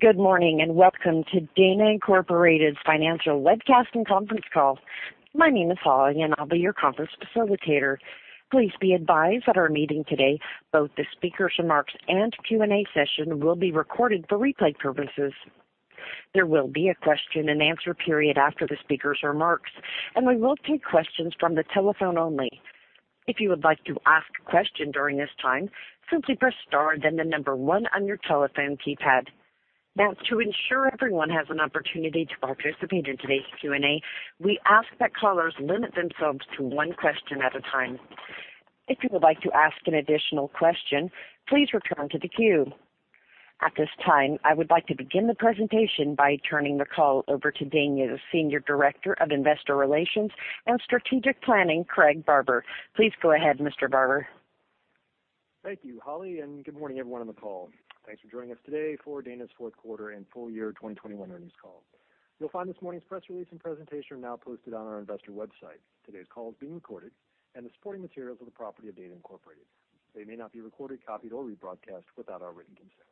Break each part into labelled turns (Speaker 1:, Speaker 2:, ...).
Speaker 1: Good morning, and welcome to Dana Incorporated's financial webcast and conference call. My name is Holly, and I'll be your conference facilitator. Please be advised at our meeting today, both the speakers' remarks and Q&A session will be recorded for replay purposes. There will be a question-and-answer period after the speakers' remarks, and we will take questions from the telephone only. If you would like to ask a question during this time, simply press star then the number one on your telephone keypad. Now, to ensure everyone has an opportunity to participate in today's Q&A, we ask that callers limit themselves to one question at a time. If you would like to ask an additional question, please return to the queue. At this time, I would like to begin the presentation by turning the call over to Dana's Senior Director of Investor Relations and Strategic Planning, Craig Barber. Please go ahead, Mr. Barber.
Speaker 2: Thank you, Holly, and good morning everyone on the call. Thanks for joining us today for Dana's Fourth Quarter and Full Year 2021 Earnings Call. You'll find this morning's press release and presentation are now posted on our Investor website. Today's call is being recorded, and the supporting materials are the property of Dana Incorporated. They may not be recorded, copied, or rebroadcast without our written consent.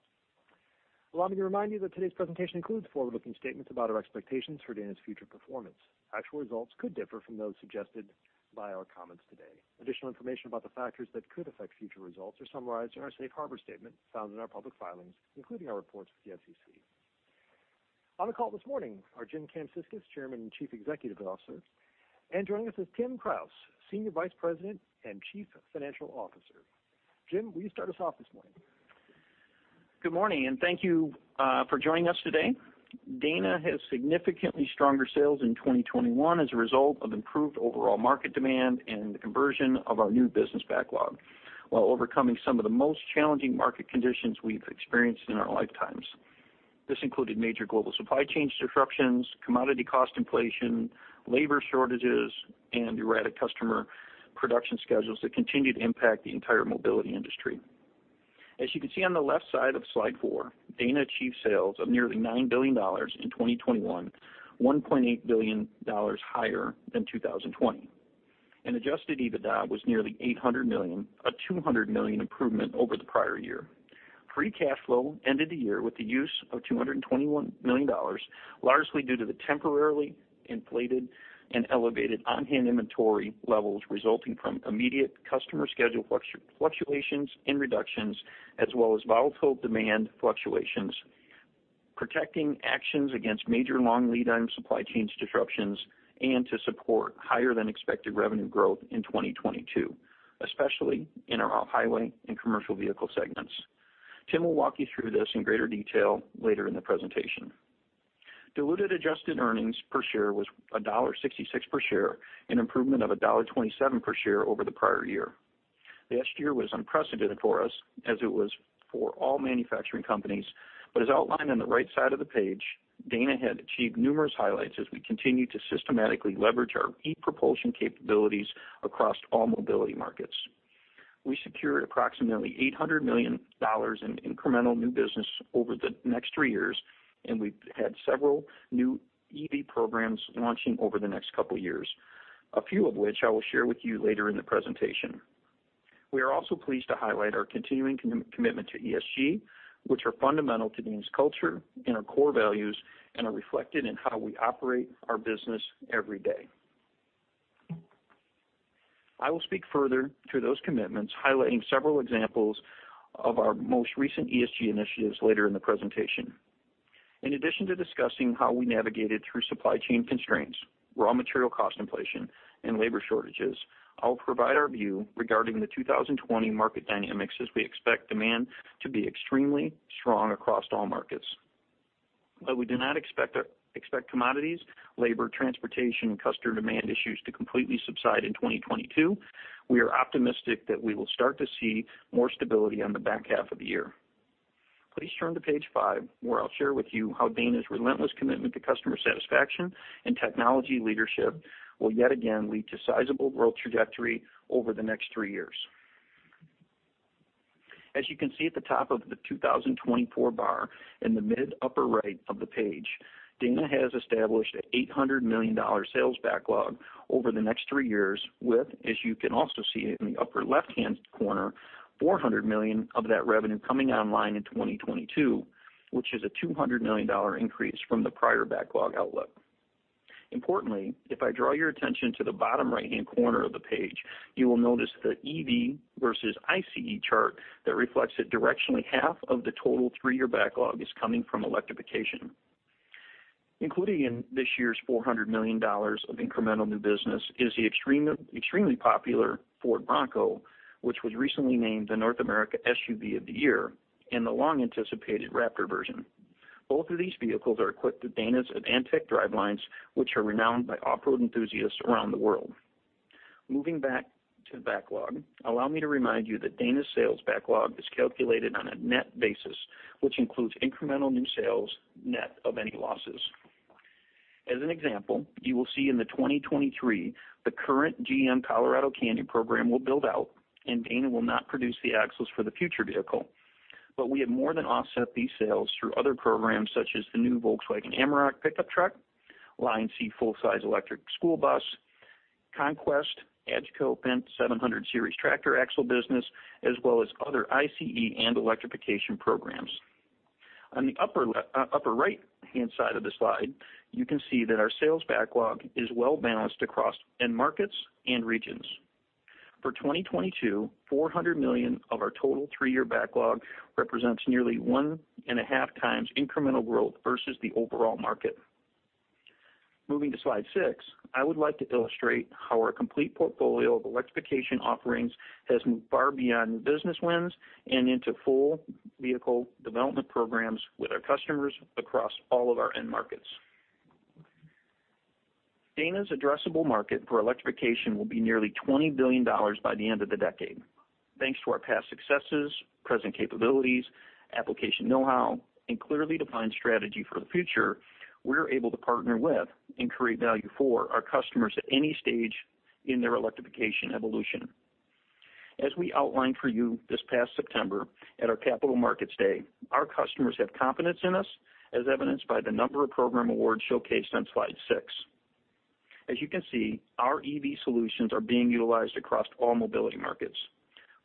Speaker 2: Allow me to remind you that today's presentation includes forward-looking statements about our expectations for Dana's future performance. Actual results could differ from those suggested by our comments today. Additional information about the factors that could affect future results are summarized in our Safe Harbor statement found in our public filings, including our reports with the SEC. On the call this morning are Jim Kamsickas, Chairman and Chief Executive Officer, and joining us is Tim Kraus, Senior Vice President and Chief Financial Officer. Jim, will you start us off this morning?
Speaker 3: Good morning, and thank you for joining us today. Dana has significantly stronger sales in 2021 as a result of improved overall market demand and the conversion of our new business backlog, while overcoming some of the most challenging market conditions we've experienced in our lifetimes. This included major global supply chain disruptions, commodity cost inflation, labor shortages, and erratic customer production schedules that continue to impact the entire mobility industry. As you can see on the left side of Slide Four, Dana achieved sales of nearly $9 billion in 2021, $1.8 billion higher than 2020. Adjusted EBITDA was nearly $800 million, a $200 million improvement over the prior year. Free cash flow ended the year with the use of $221 million, largely due to the temporarily inflated and elevated on-hand inventory levels resulting from immediate customer schedule fluctuations and reductions, as well as volatile demand fluctuations, protecting actions against major long lead item supply chains disruptions, and to support higher than expected revenue growth in 2022, especially in our off-highway and commercial vehicle segments. Tim will walk you through this in greater detail later in the presentation. Diluted adjusted earnings per share was $1.66 per share, an improvement of $1.27 per share over the prior year. Last year was unprecedented for us as it was for all manufacturing companies. As outlined on the right side of the page, Dana had achieved numerous highlights as we continue to systematically leverage our e-Propulsion capabilities across all mobility markets. We secured approximately $800 million in incremental new business over the next three years, and we've had several new EV programs launching over the next couple years, a few of which I will share with you later in the presentation. We are also pleased to highlight our continuing commitment to ESG, which are fundamental to Dana's culture and our core values and are reflected in how we operate our business every day. I will speak further to those commitments, highlighting several examples of our most recent ESG initiatives later in the presentation. In addition to discussing how we navigated through supply chain constraints, raw material cost inflation, and labor shortages, I'll provide our view regarding the 2020 market dynamics as we expect demand to be extremely strong across all markets. While we do not expect commodities, labor, transportation, customer demand issues to completely subside in 2022, we are optimistic that we will start to see more stability on the back half of the year. Please turn to page five, where I'll share with you how Dana's relentless commitment to customer satisfaction and technology leadership will yet again lead to sizable growth trajectory over the next three years. As you can see at the top of the 2024 bar in the mid upper right of the page, Dana has established a $800 million sales backlog over the next three years with, as you can also see in the upper left-hand corner, $400 million of that revenue coming online in 2022, which is a $200 million increase from the prior backlog outlook. Importantly, if I draw your attention to the bottom right-hand corner of the page, you will notice the EV versus ICE chart that reflects that directionally half of the total three-year backlog is coming from electrification. Including in this year's $400 million of incremental new business is the extremely popular Ford Bronco, which was recently named the North America SUV of the Year and the long-anticipated Raptor version. Both of these vehicles are equipped with Dana's AdvanTEK drivelines, which are renowned by off-road enthusiasts around the world. Moving back to the backlog, allow me to remind you that Dana's sales backlog is calculated on a net basis, which includes incremental new sales net of any losses. As an example, you will see in 2023, the current GM Colorado Canyon program will build out, and Dana will not produce the axles for the future vehicle. We have more than offset these sales through other programs such as the new Volkswagen Amarok pickup truck, LionC full-size electric school bus Conquest, AGCO Fendt 700 Series tractor axle business, as well as other ICE and electrification programs. On the upper right-hand side of the slide, you can see that our sales backlog is well-balanced across end markets and regions. For 2022, $400 million of our total three-year backlog represents nearly 1.5x incremental growth versus the overall market. Moving to Slide Six, I would like to illustrate how our complete portfolio of electrification offerings has moved far beyond business wins and into full vehicle development programs with our customers across all of our end markets. Dana's addressable market for electrification will be nearly $20 billion by the end of the decade. Thanks to our past successes, present capabilities, application know-how, and clearly defined strategy for the future, we're able to partner with and create value for our customers at any stage in their electrification evolution. As we outlined for you this past September at our Capital Markets Day, our customers have confidence in us, as evidenced by the number of program awards showcased on Slide Six. As you can see, our EV solutions are being utilized across all mobility markets.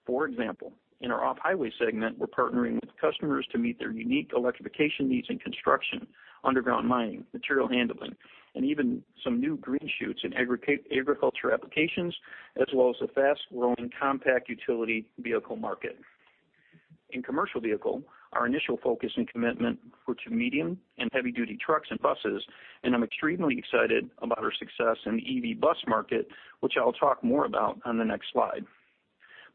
Speaker 3: For example, in our off-highway segment, we're partnering with customers to meet their unique electrification needs in construction, underground mining, material handling, and even some new green shoots in agriculture applications, as well as the fast-growing compact utility vehicle market. In commercial vehicle, our initial focus and commitment were to medium and heavy-duty trucks and buses, and I'm extremely excited about our success in the EV bus market, which I'll talk more about on the next slide.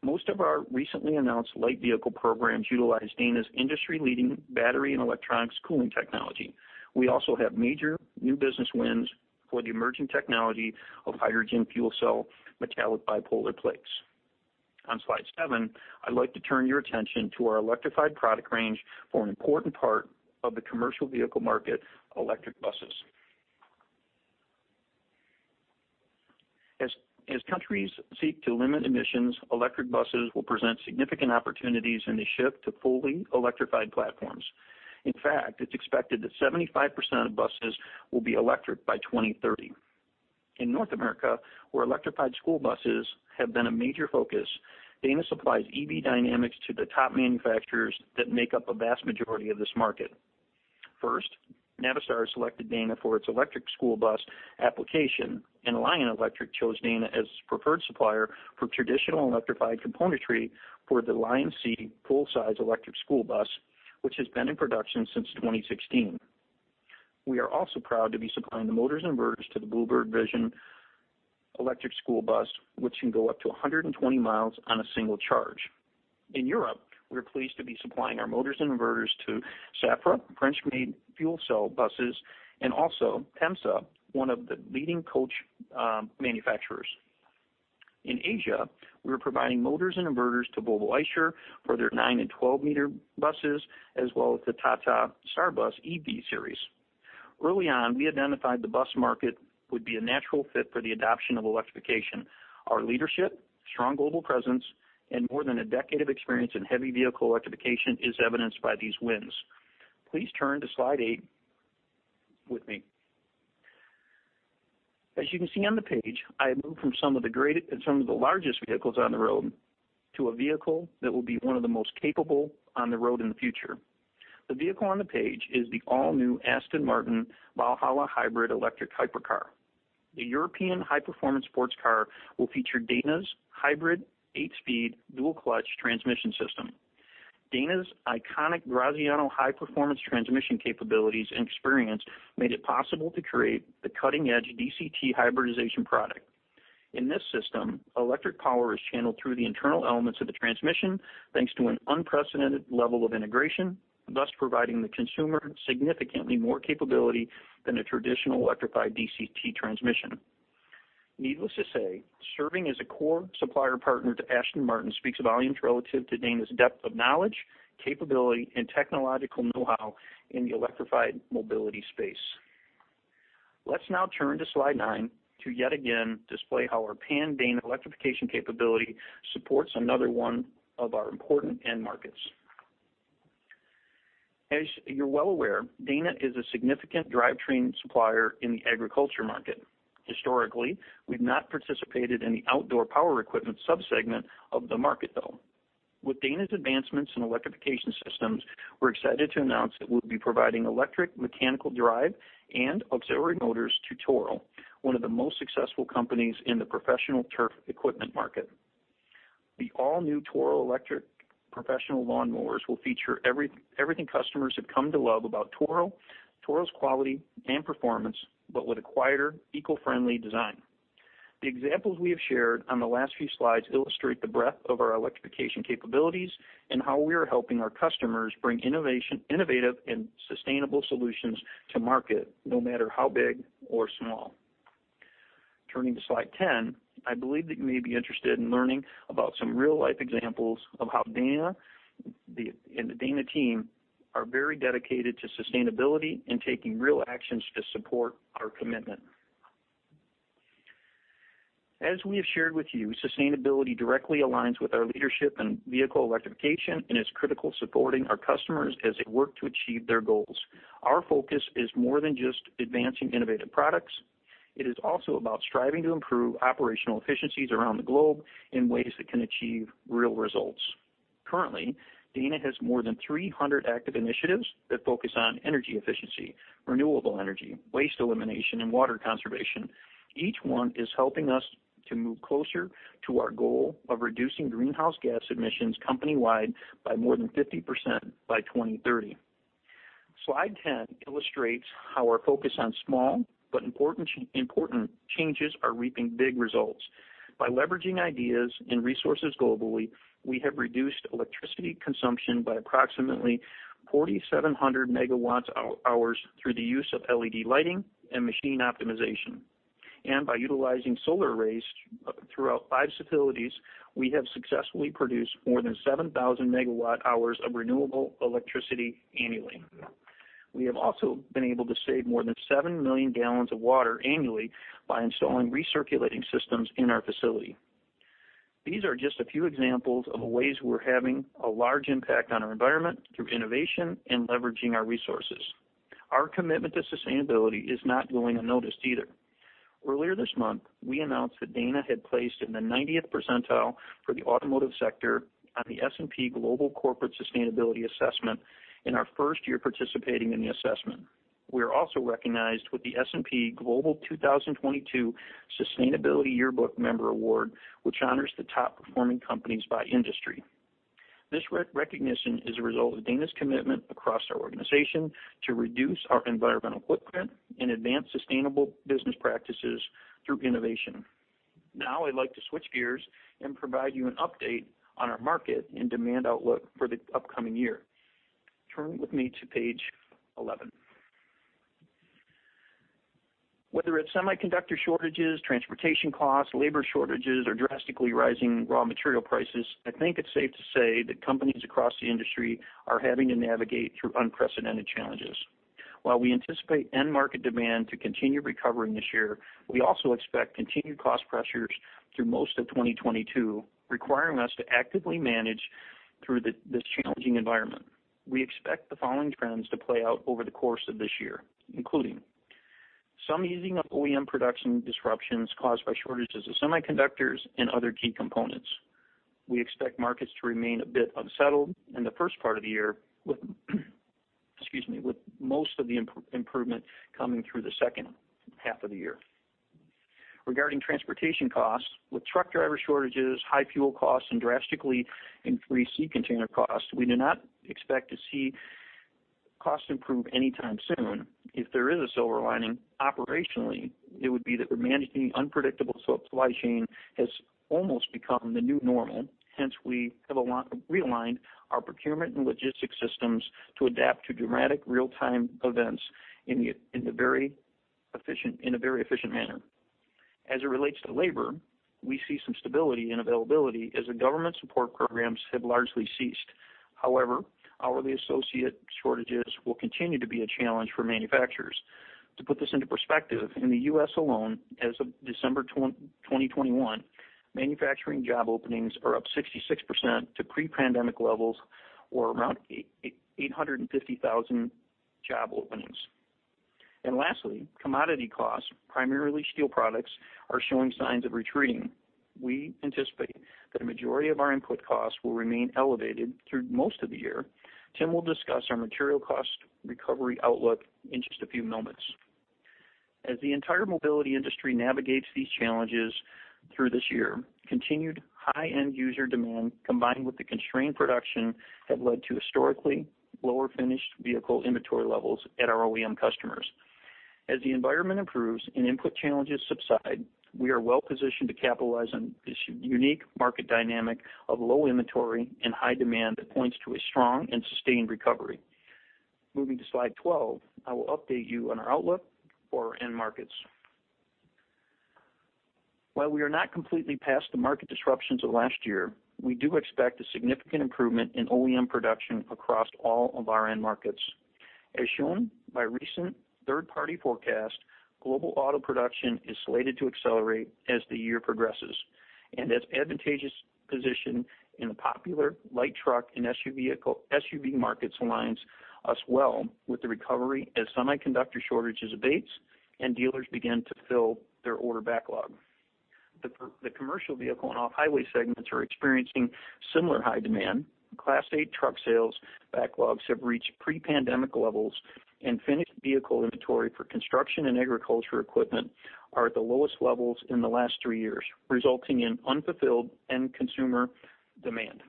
Speaker 3: Most of our recently announced light vehicle programs utilize Dana's industry-leading battery and electronics cooling technology. We also have major new business wins for the emerging technology of hydrogen fuel cell metallic bipolar plates. On Slide Seven, I'd like to turn your attention to our electrified product range for an important part of the commercial vehicle market, electric buses. As countries seek to limit emissions, electric buses will present significant opportunities in the shift to fully electrified platforms. In fact, it's expected that 75% of buses will be electric by 2030. In North America, where electrified school buses have been a major focus, Dana supplies EV dynamics to the top manufacturers that make up a vast majority of this market. First, Navistar selected Dana for its electric school bus application, and Lion Electric chose Dana as preferred supplier for traditional electrified componentry for the LionC full-size electric school bus, which has been in production since 2016. We are also proud to be supplying the motors and inverters to the Blue Bird Vision electric school bus, which can go up to 120 mi on a single charge. In Europe, we're pleased to be supplying our motors and inverters to Safra French-made fuel cell buses, and also Temsa, one of the leading coach manufacturers. In Asia, we are providing motors and inverters to Volvo Eicher for their 9-m and 12-m buses, as well as the Tata Starbus EV series. Early on, we identified the bus market would be a natural fit for the adoption of electrification. Our leadership, strong global presence, and more than a decade of experience in heavy vehicle electrification is evidenced by these wins. Please turn to Slide Eight with me. As you can see on the page, I have moved from some of the largest vehicles on the road to a vehicle that will be one of the most capable on the road in the future. The vehicle on the page is the all-new Aston Martin Valhalla hybrid electric hypercar. The European high-performance sports car will feature Dana's hybrid 8-speed dual-clutch transmission system. Dana's iconic Graziano high-performance transmission capabilities and experience made it possible to create the cutting-edge DCT hybridization product. In this system, electric power is channeled through the internal elements of the transmission, thanks to an unprecedented level of integration, thus providing the consumer significantly more capability than a traditional electrified DCT transmission. Needless to say, serving as a core supplier partner to Aston Martin speaks volumes relative to Dana's depth of knowledge, capability, and technological know-how in the electrified mobility space. Let's now turn to Slide Eight to yet again display how our pan Dana electrification capability supports another one of our important end markets. As you're well aware, Dana is a significant drivetrain supplier in the agriculture market. Historically, we've not participated in the outdoor power equipment subsegment of the market, though. With Dana's advancements in electrification systems, we're excited to announce that we'll be providing electric mechanical drive and auxiliary motors to Toro, one of the most successful companies in the professional turf equipment market. The all-new Toro electric professional lawnmowers will feature everything customers have come to love about Toro's quality and performance, but with a quieter, eco-friendly design. The examples we have shared on the last few slides illustrate the breadth of our electrification capabilities and how we are helping our customers bring innovative and sustainable solutions to market, no matter how big or small. Turning to Slide 10, I believe that you may be interested in learning about some real-life examples of how Dana and the Dana team are very dedicated to sustainability and taking real actions to support our commitment. As we have shared with you, sustainability directly aligns with our leadership in vehicle electrification and is critical supporting our customers as they work to achieve their goals. Our focus is more than just advancing innovative products. It is also about striving to improve operational efficiencies around the globe in ways that can achieve real results. Currently, Dana has more than 300 active initiatives that focus on energy efficiency, renewable energy, waste elimination, and water conservation. Each one is helping us to move closer to our goal of reducing greenhouse gas emissions company-wide by more than 50% by 2030. Slide 10 illustrates how our focus on small but important changes are reaping big results. By leveraging ideas and resources globally, we have reduced electricity consumption by approximately 4,700 MWh through the use of LED lighting and machine optimization. By utilizing solar arrays throughout five facilities, we have successfully produced more than 7,000 MWh of renewable electricity annually. We have also been able to save more than 7 million gallons of water annually by installing recirculating systems in our facility. These are just a few examples of the ways we're having a large impact on our environment through innovation and leveraging our resources. Our commitment to sustainability is not going unnoticed either. Earlier this month, we announced that Dana had placed in the 19th percentile for the automotive sector on the S&P Global Corporate Sustainability Assessment in our first year participating in the assessment. We are also recognized with the S&P Global 2022 Sustainability Yearbook Member Award, which honors the top-performing companies by industry. This recognition is a result of Dana's commitment across our organization to reduce our environmental footprint and advance sustainable business practices through innovation. Now I'd like to switch gears and provide you an update on our market and demand outlook for the upcoming year. Turn with me to page 11. Whether it's semiconductor shortages, transportation costs, labor shortages, or drastically rising raw material prices, I think it's safe to say that companies across the industry are having to navigate through unprecedented challenges. While we anticipate end market demand to continue recovering this year, we also expect continued cost pressures through most of 2022, requiring us to actively manage through this challenging environment. We expect the following trends to play out over the course of this year, including some easing of OEM production disruptions caused by shortages of semiconductors and other key components. We expect markets to remain a bit unsettled in the first part of the year with, excuse me, with most of the improvement coming through the second half of the year. Regarding transportation costs, with truck driver shortages, high fuel costs, and drastically increased sea container costs, we do not expect to see costs improve anytime soon. If there is a silver lining operationally, it would be that managing unpredictable supply chains has almost become the new normal. Hence, we have realigned our procurement and logistics systems to adapt to dramatic real-time events in a very efficient manner. As it relates to labor, we see some stability and availability as the government support programs have largely ceased. However, hourly associate shortages will continue to be a challenge for manufacturers. To put this into perspective, in the U.S. alone, as of December 2021, manufacturing job openings are up 66% to pre-pandemic levels or around 850,000 job openings. Lastly, commodity costs, primarily steel products, are showing signs of retreating. We anticipate that a majority of our input costs will remain elevated through most of the year. Tim will discuss our material cost recovery outlook in just a few moments. As the entire mobility industry navigates these challenges through this year, continued high-end user demand, combined with the constrained production, have led to historically lower finished vehicle inventory levels at our OEM customers. As the environment improves and input challenges subside, we are well-positioned to capitalize on this unique market dynamic of low inventory and high demand that points to a strong and sustained recovery. Moving to Slide 12, I will update you on our outlook for our end markets. While we are not completely past the market disruptions of last year, we do expect a significant improvement in OEM production across all of our end markets. As shown by recent third-party forecast, global auto production is slated to accelerate as the year progresses, and its advantageous position in the popular light truck and SUV markets aligns us well with the recovery as semiconductor shortages abates and dealers begin to fill their order backlog. The commercial vehicle and off-highway segments are experiencing similar high demand. Class 8 truck sales backlogs have reached pre-pandemic levels, and finished vehicle inventory for construction and agriculture equipment are at the lowest levels in the last three years, resulting in unfulfilled end consumer demand.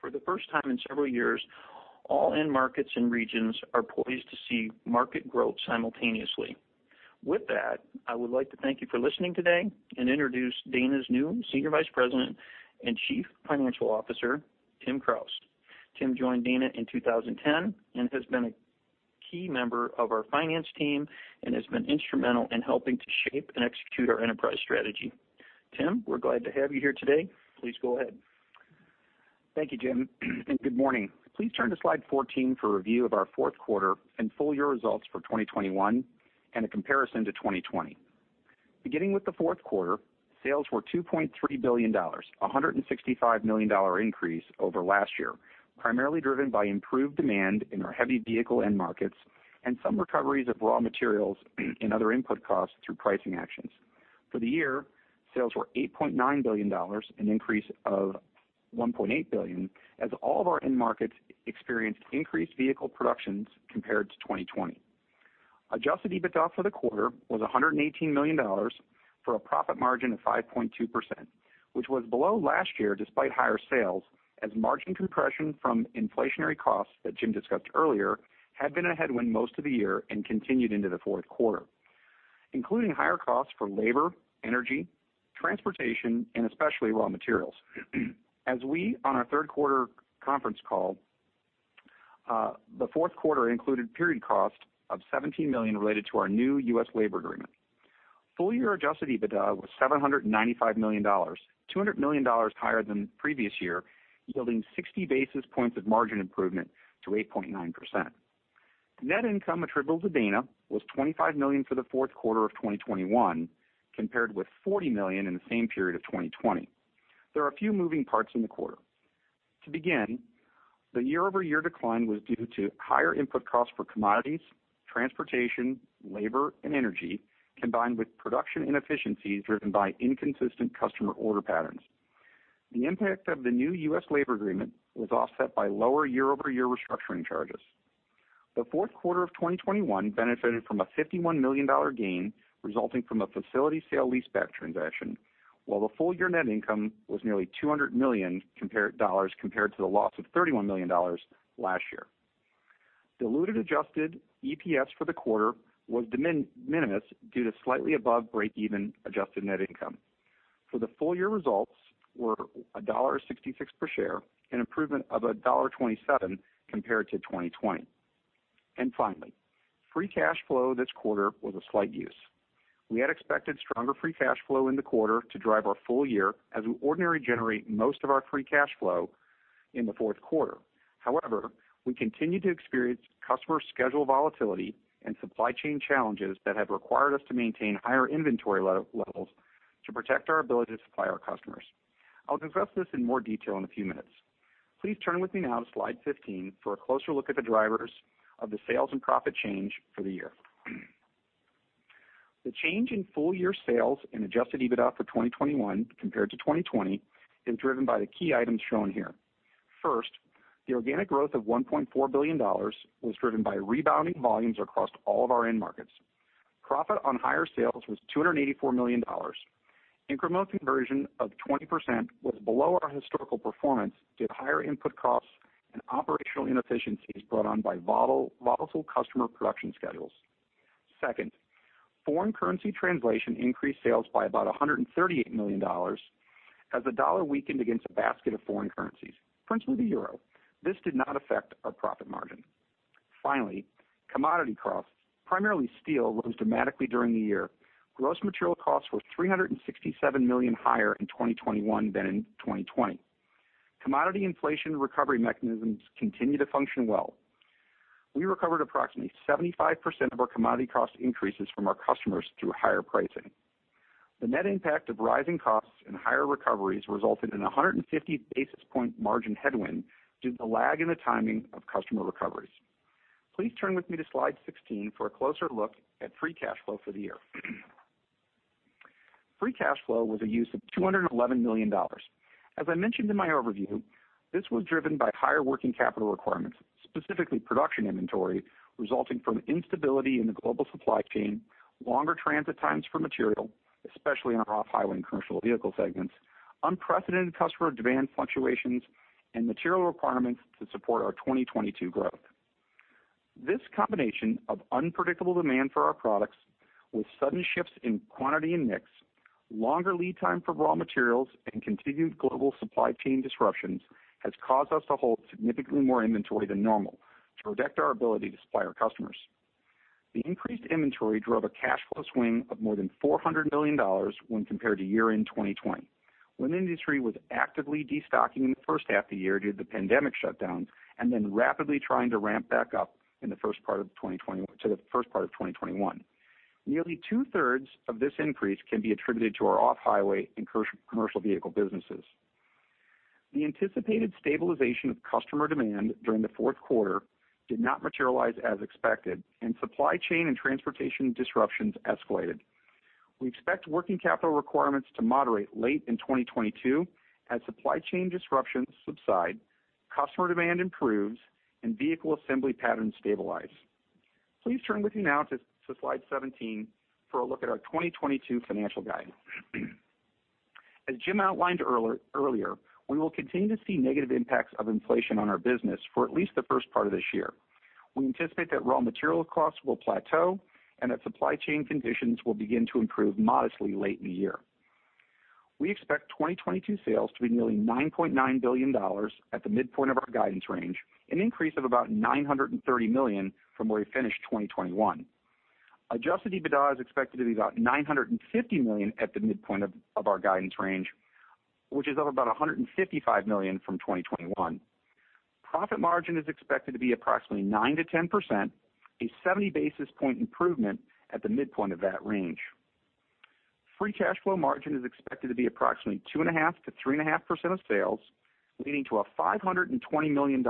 Speaker 3: For the first time in several years, all end markets and regions are poised to see market growth simultaneously. With that, I would like to thank you for listening today and introduce Dana's new Senior Vice President and Chief Financial Officer, Tim Kraus. Tim joined Dana in 2010 and has been a key member of our finance team and has been instrumental in helping to shape and execute our enterprise strategy. Tim, we're glad to have you here today. Please go ahead.
Speaker 4: Thank you, Jim. Good morning. Please turn to Slide 14 for a review of our fourth quarter and full-year results for 2021 and a comparison to 2020. Beginning with the fourth quarter, sales were $2.3 billion, a $165 million increase over last year, primarily driven by improved demand in our heavy vehicle end markets and some recoveries of raw materials and other input costs through pricing actions. For the year, sales were $8.9 billion, an increase of $1.8 billion as all of our end markets experienced increased vehicle productions compared to 2020. Adjusted EBITDA for the quarter was $118 million for a profit margin of 5.2%, which was below last year despite higher sales, as margin compression from inflationary costs that Jim discussed earlier had been a headwind most of the year and continued into the fourth quarter, including higher costs for labor, energy, transportation, and especially raw materials. As we said on our third quarter conference call, the fourth quarter included period cost of $17 million related to our new U.S. labor agreement. Full year adjusted EBITDA was $795 million, $200 million higher than previous year, yielding 60 basis points of margin improvement to 8.9%. Net income attributable to Dana was $25 million for the fourth quarter of 2021 compared with $40 million in the same period of 2020. There are a few moving parts in the quarter. To begin, the year-over-year decline was due to higher input costs for commodities, transportation, labor, and energy, combined with production inefficiencies driven by inconsistent customer order patterns. The impact of the new U.S. labor agreement was offset by lower year-over-year restructuring charges. The fourth quarter of 2021 benefited from a $51 million gain resulting from a facility sale leaseback transaction, while the full year net income was nearly $200 million dollars compared to the loss of $31 million last year. Diluted adjusted EPS for the quarter was de minimis due to slightly above break even adjusted net income. For the full year results were $1.66 per share, an improvement of $1.27 compared to 2020. Finally, free cash flow this quarter was a slight use. We had expected stronger free cash flow in the quarter to drive our full year as we ordinarily generate most of our free cash flow in the fourth quarter. However, we continued to experience customer schedule volatility and supply chain challenges that have required us to maintain higher inventory levels to protect our ability to supply our customers. I'll discuss this in more detail in a few minutes. Please turn with me now to Slide 15 for a closer look at the drivers of the sales and profit change for the year. The change in full year sales and adjusted EBITDA for 2021 compared to 2020 is driven by the key items shown here. First, the organic growth of $1.4 billion was driven by rebounding volumes across all of our end markets. Profit on higher sales was $284 million. Incremental conversion of 20% was below our historical performance due to higher input costs and operational inefficiencies brought on by volatile customer production schedules. Second, foreign currency translation increased sales by about $138 million as the dollar weakened against a basket of foreign currencies, principally the euro. This did not affect our profit margin. Finally, commodity costs, primarily steel, rose dramatically during the year. Gross material costs were $367 million higher in 2021 than in 2020. Commodity inflation recovery mechanisms continue to function well. We recovered approximately 75% of our commodity cost increases from our customers through higher pricing. The net impact of rising costs and higher recoveries resulted in a 150 basis point margin headwind due to the lag in the timing of customer recoveries. Please turn with me to Slide 16 for a closer look at free cash flow for the year. Free cash flow was a use of $211 million. As I mentioned in my overview, this was driven by higher working capital requirements, specifically production inventory resulting from instability in the global supply chain, longer transit times for material, especially in our off-highway and commercial vehicle segments, unprecedented customer demand fluctuations and material requirements to support our 2022 growth. This combination of unpredictable demand for our products with sudden shifts in quantity and mix, longer lead time for raw materials and continued global supply chain disruptions has caused us to hold significantly more inventory than normal to protect our ability to supply our customers. The increased inventory drove a cash flow swing of more than $400 million when compared to year-end 2020, when the industry was actively destocking in the first half of the year due to the pandemic shutdown and then rapidly trying to ramp back up in the first part of 2021. Nearly 2/3 of this increase can be attributed to our off-highway and commercial vehicle businesses. The anticipated stabilization of customer demand during the fourth quarter did not materialize as expected, and supply chain and transportation disruptions escalated. We expect working capital requirements to moderate late in 2022 as supply chain disruptions subside, customer demand improves, and vehicle assembly patterns stabilize. Please turn with me now to Slide 17 for a look at our 2022 financial guidance. As Jim outlined earlier, we will continue to see negative impacts of inflation on our business for at least the first part of this year. We anticipate that raw material costs will plateau and that supply chain conditions will begin to improve modestly late in the year. We expect 2022 sales to be nearly $9.9 billion at the midpoint of our guidance range, an increase of about $930 million from where we finished 2021. Adjusted EBITDA is expected to be about $950 million at the midpoint of our guidance range, which is up about $155 million from 2021. Profit margin is expected to be approximately 9%-10%, a 70 basis point improvement at the midpoint of that range. Free cash flow margin is expected to be approximately 2.5%-3.5% of sales, leading to a $520 million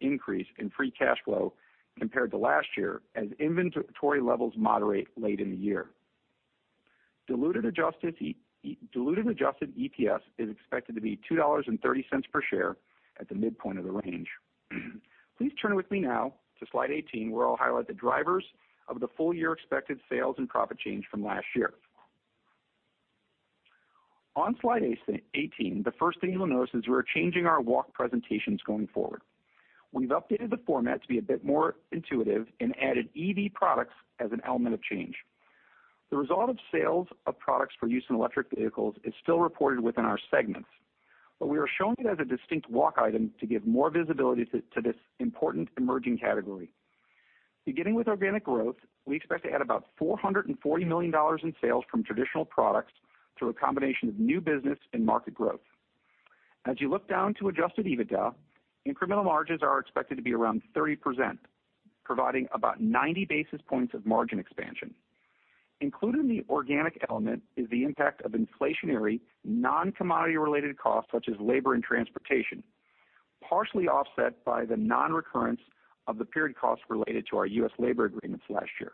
Speaker 4: increase in free cash flow compared to last year as inventory levels moderate late in the year. Diluted adjusted EPS is expected to be $2.30 per share at the midpoint of the range. Please turn with me now to Slide 18, where I'll highlight the drivers of the full year expected sales and profit change from last year. On Slide 18, the first thing you'll notice is we're changing our walk presentations going forward. We've updated the format to be a bit more intuitive and added EV products as an element of change. The result of sales of products for use in electric vehicles is still reported within our segments, but we are showing it as a distinct walk item to give more visibility to this important emerging category. Beginning with organic growth, we expect to add about $440 million in sales from traditional products through a combination of new business and market growth. As you look down to adjusted EBITDA, incremental margins are expected to be around 30%, providing about 90 basis points of margin expansion. Included in the organic element is the impact of inflationary, non-commodity related costs such as labor and transportation, partially offset by the non-recurrence of the period costs related to our U.S. labor agreements last year.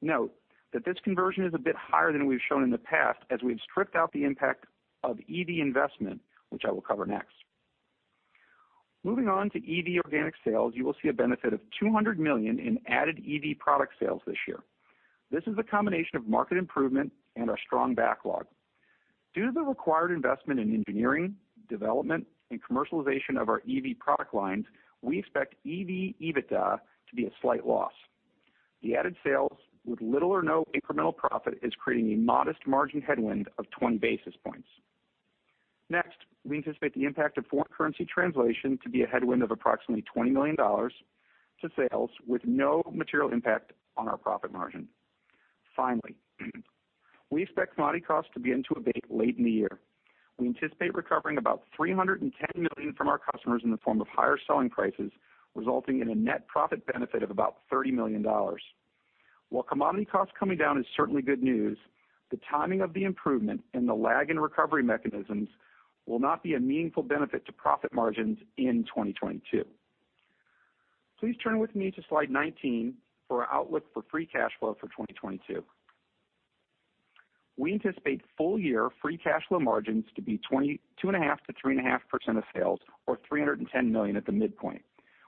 Speaker 4: Note that this conversion is a bit higher than we've shown in the past, as we've stripped out the impact of EV investment, which I will cover next. Moving on to EV organic sales, you will see a benefit of $200 million in added EV product sales this year. This is a combination of market improvement and our strong backlog. Due to the required investment in engineering, development, and commercialization of our EV product lines, we expect EV EBITDA to be a slight loss. The added sales, with little or no incremental profit, is creating a modest margin headwind of 20 basis points. Next, we anticipate the impact of foreign currency translation to be a headwind of approximately $20 million to sales with no material impact on our profit margin. Finally, we expect commodity costs to begin to abate late in the year. We anticipate recovering about $310 million from our customers in the form of higher selling prices, resulting in a net profit benefit of about $30 million. While commodity costs coming down is certainly good news, the timing of the improvement and the lag in recovery mechanisms will not be a meaningful benefit to profit margins in 2022. Please turn with me to Slide 19 for our outlook for free cash flow for 2022. We anticipate full year free cash flow margins to be 2.5%-3.5% of sales or $310 million at the midpoint,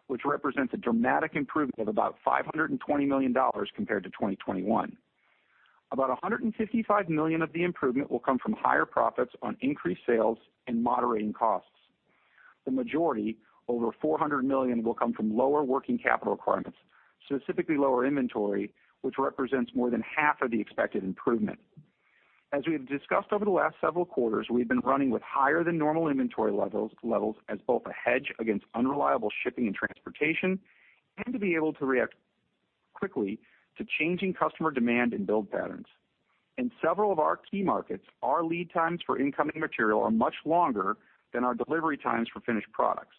Speaker 4: which represents a dramatic improvement of about $520 million compared to 2021. About $155 million of the improvement will come from higher profits on increased sales and moderating costs. The majority, over $400 million, will come from lower working capital requirements, specifically lower inventory, which represents more than half of the expected improvement. As we've discussed over the last several quarters, we've been running with higher than normal inventory levels as both a hedge against unreliable shipping and transportation and to be able to react quickly to changing customer demand and build patterns. In several of our key markets, our lead times for incoming material are much longer than our delivery times for finished products.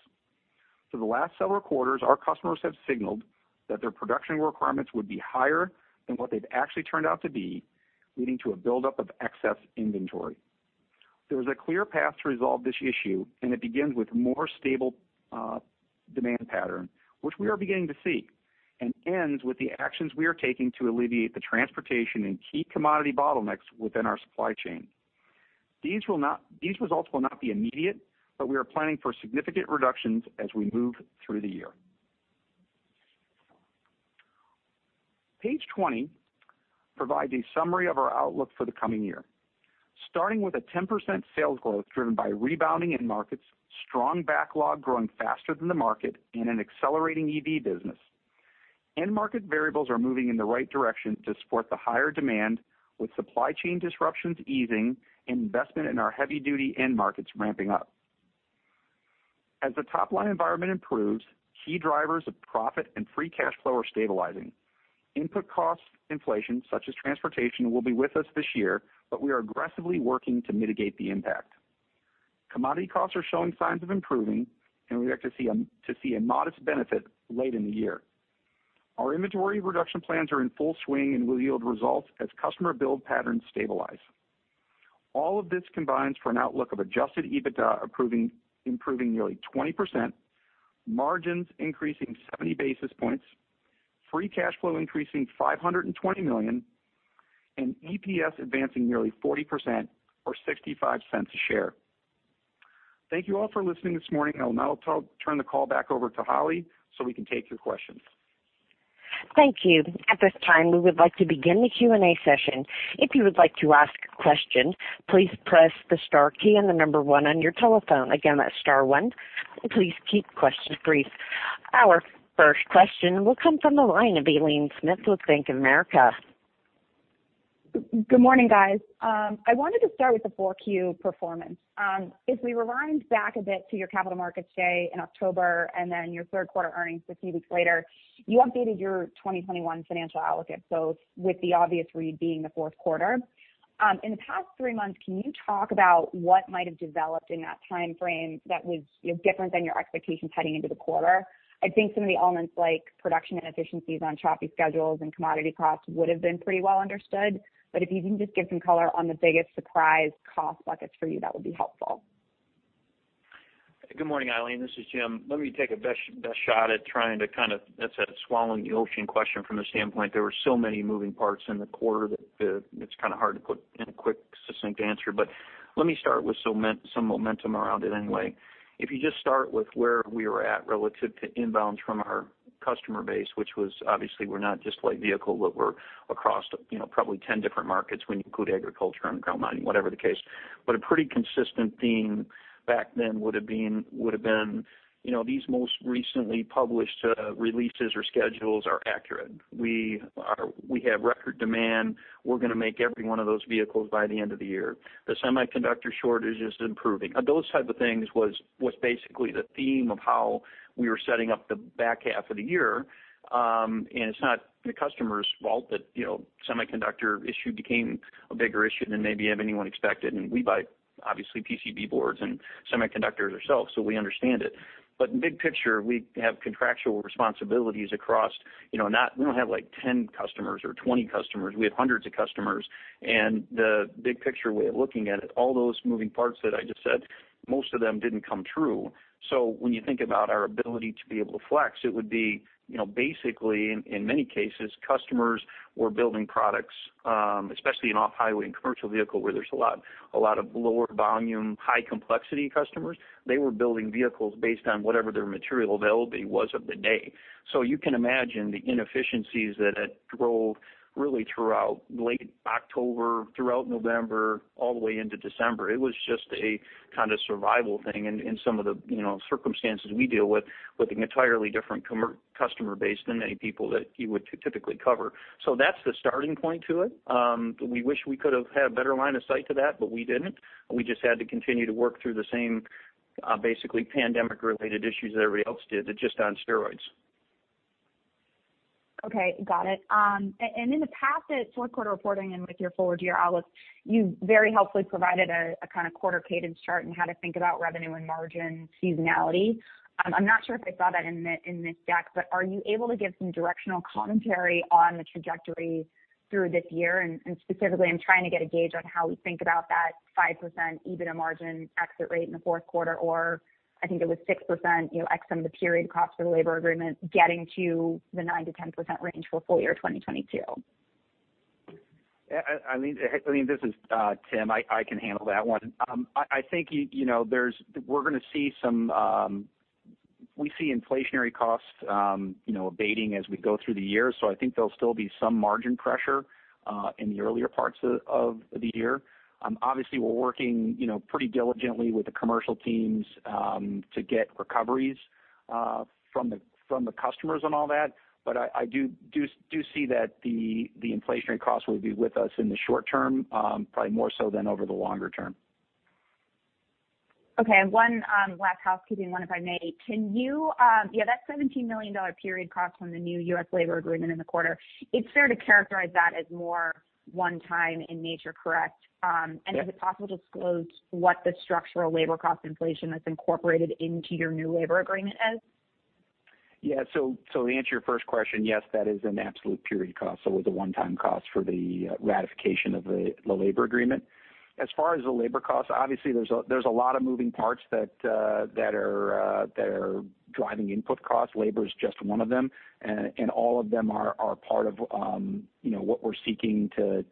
Speaker 4: For the last several quarters, our customers have signaled that their production requirements would be higher than what they've actually turned out to be, leading to a buildup of excess inventory. There is a clear path to resolve this issue, and it begins with more stable demand pattern, which we are beginning to see, and ends with the actions we are taking to alleviate the transportation and key commodity bottlenecks within our supply chain. These results will not be immediate, but we are planning for significant reductions as we move through the year. Page 20 provides a summary of our outlook for the coming year, starting with a 10% sales growth driven by rebounding end markets, strong backlog growing faster than the market, and an accelerating EV business. End market variables are moving in the right direction to support the higher demand, with supply chain disruptions easing and investment in our heavy duty end markets ramping up. As the top line environment improves, key drivers of profit and free cash flow are stabilizing. Input costs inflation, such as transportation, will be with us this year, but we are aggressively working to mitigate the impact. Commodity costs are showing signs of improving, and we expect to see a modest benefit late in the year. Our inventory reduction plans are in full swing and will yield results as customer build patterns stabilize. All of this combines for an outlook of adjusted EBITDA improving nearly 20%, margins increasing 70 basis points, free cash flow increasing $520 million, and EPS advancing nearly 40% or $0.65 a share. Thank you all for listening this morning. I will now turn the call back over to Holly so we can take your questions.
Speaker 1: Thank you. At this time, we would like to begin the Q&A session. If you would like to ask a question, please press the star key and the number one on your telephone. Again, that's star one. Please keep questions brief. Our first question will come from the line of Aileen Smith with Bank of America.
Speaker 5: Good morning, guys. I wanted to start with the Q4 performance. If we rewind back a bit to your Capital Markets Day in October and then your third quarter earnings a few weeks later, you updated your 2021 financial outlook, so with the obvious read being the fourth quarter. In the past three months, can you talk about what might have developed in that timeframe that was, you know, different than your expectations heading into the quarter? I think some of the elements like production and efficiencies on choppy schedules and commodity costs would've been pretty well understood. If you can just give some color on the biggest surprise cost buckets for you, that would be helpful.
Speaker 3: Good morning, Aileen. This is Jim. Let me take a best shot at trying to kind of that's a swallowing the ocean question from the standpoint there were so many moving parts in the quarter that it's kind of hard to put in a quick, succinct answer. Let me start with some momentum around it anyway. If you just start with where we were at relative to inbounds from our customer base, which was obviously we're not just light vehicle, but we're across, you know, probably 10 different markets when you include agriculture and underground mining, whatever the case. A pretty consistent theme back then would've been, you know, these most recently published releases or schedules are accurate. We have record demand. We're gonna make every one of those vehicles by the end of the year. The semiconductor shortage is improving. Those type of things was basically the theme of how we were setting up the back half of the year. It's not the customer's fault that, you know, semiconductor issue became a bigger issue than maybe anyone expected. We buy, obviously, PCB boards and semiconductors ourselves, so we understand it. Big picture, we have contractual responsibilities across, you know, we don't have, like, 10 customers or 20 customers. We have hundreds of customers. The big picture way of looking at it, all those moving parts that I just said, most of them didn't come true. When you think about our ability to be able to flex, it would be, you know, basically in many cases, customers were building products, especially in off-highway and commercial vehicle, where there's a lot of lower volume, high complexity customers. They were building vehicles based on whatever their material availability was of the day. You can imagine the inefficiencies that had drove really throughout late October, throughout November, all the way into December. It was just a kinda survival thing in some of the, you know, circumstances we deal with with an entirely different customer base than many people that you would typically cover. That's the starting point to it. We wish we could've had better line of sight to that, but we didn't. We just had to continue to work through the same, basically pandemic-related issues that everybody else did, but just on steroids.
Speaker 5: Okay, got it. And in the past at fourth quarter reporting and with your forward-year outlooks, you very helpfully provided a kind of quarter cadence chart on how to think about revenue and margin seasonality. I'm not sure if I saw that in this deck, but are you able to give some directional commentary on the trajectory through this year? And specifically, I'm trying to get a gauge on how we think about that 5% EBITDA margin exit rate in the fourth quarter, or I think it was 6%, you know, ex some of the period cost for the labor agreement getting to the 9%-10% range for full year 2022.
Speaker 4: Aileen, this is Tim. I can handle that one. I think you know, we see inflationary costs, you know, abating as we go through the year. I think there'll still be some margin pressure in the earlier parts of the year. Obviously we're working, you know, pretty diligently with the commercial teams to get recoveries from the customers on all that. I do see that the inflationary costs will be with us in the short term, probably more so than over the longer term.
Speaker 5: Okay. One last housekeeping one, if I may. Can you? Yeah, that $17 million period cost from the new U.S. labor agreement in the quarter, it's fair to characterize that as more one-time in nature, correct?
Speaker 4: Yes.
Speaker 6: Is it possible to disclose what the structural labor cost inflation that's incorporated into your new labor agreement is?
Speaker 4: Yeah, to answer your first question, yes, that is an absolute period cost. It was a one-time cost for the ratification of the labor agreement. As far as the labor cost, obviously there's a lot of moving parts that are driving input cost. Labor is just one of them. All of them are part of you know, what we're seeking to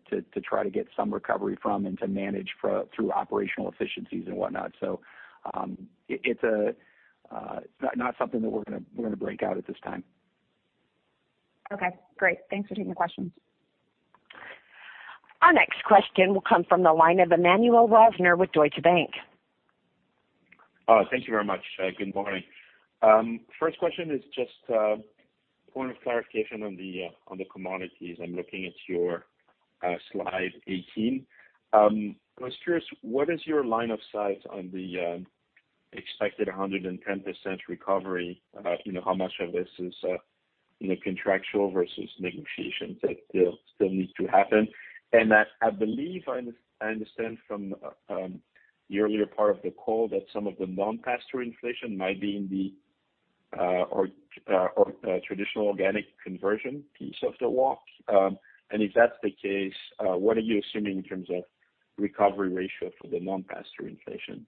Speaker 4: try to get some recovery from and to manage through operational efficiencies and whatnot. It's not something that we're gonna break out at this time.
Speaker 5: Okay, great. Thanks for taking the question.
Speaker 1: Our next question will come from the line of Emmanuel Rosner with Deutsche Bank.
Speaker 7: Thank you very much. Good morning. First question is just point of clarification on the commodities. I'm looking at your Slide 18. I was curious, what is your line of sight on the expected 110% recovery? You know, how much of this is, you know, contractual versus negotiations that still needs to happen? I believe I understand from the earlier part of the call that some of the non-pass-through inflation might be in the traditional organic conversion piece of the walk. If that's the case, what are you assuming in terms of recovery ratio for the non-pass-through inflation?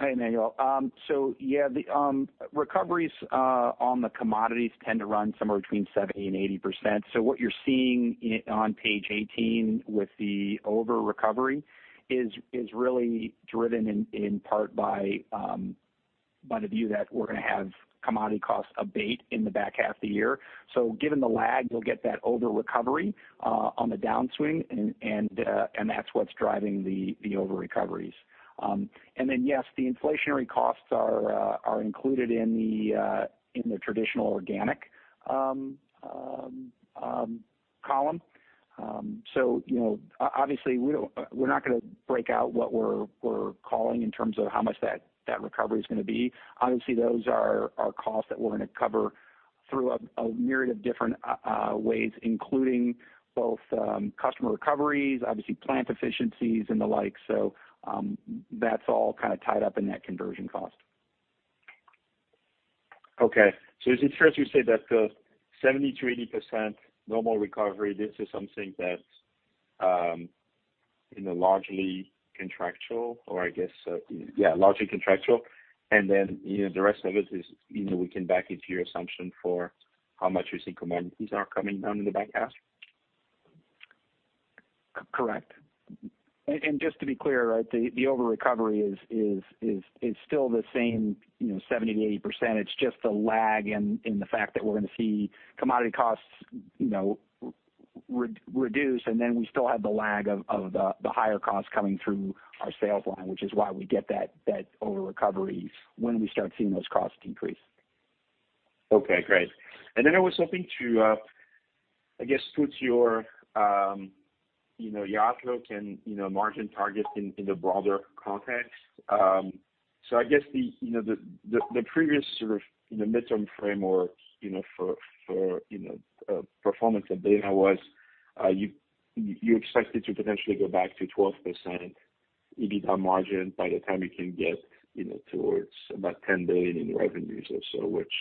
Speaker 4: Hi, Emmanuel. The recoveries on the commodities tend to run somewhere between 70% and 80%. What you're seeing on page 18 with the over-recovery is really driven in part by the view that we're gonna have commodity costs abate in the back half of the year. Given the lag, you'll get that over-recovery on the downswing and that's what's driving the over-recoveries. The inflationary costs are included in the traditional organic column. You know, obviously, we're not gonna break out what we're calling in terms of how much that recovery is gonna be. Obviously, those are costs that we're gonna cover through a myriad of different ways, including both customer recoveries, obviously plant efficiencies and the like. That's all kind of tied up in that conversion cost.
Speaker 7: Okay. Is it fair to say that the 70%-80% normal recovery, this is something that, you know, largely contractual, and then, you know, the rest of it is, you know, we can back into your assumption for how much you think commodities are coming down in the back half?
Speaker 4: Correct. Just to be clear, right? The over recovery is still the same, you know, 70%-80%. It's just the lag in the fact that we're gonna see commodity costs, you know, reduce, and then we still have the lag of the higher costs coming through our sales line, which is why we get that over recovery when we start seeing those costs increase.
Speaker 7: Okay, great. I was hoping to, I guess put your, you know, your outlook and, you know, margin target in the broader context. I guess the, you know, the previous sort of, you know, midterm framework, you know, for performance at Dana was, you expected to potentially go back to 12% EBITDA margin by the time you can get, you know, towards about $10 billion in revenues or so, which,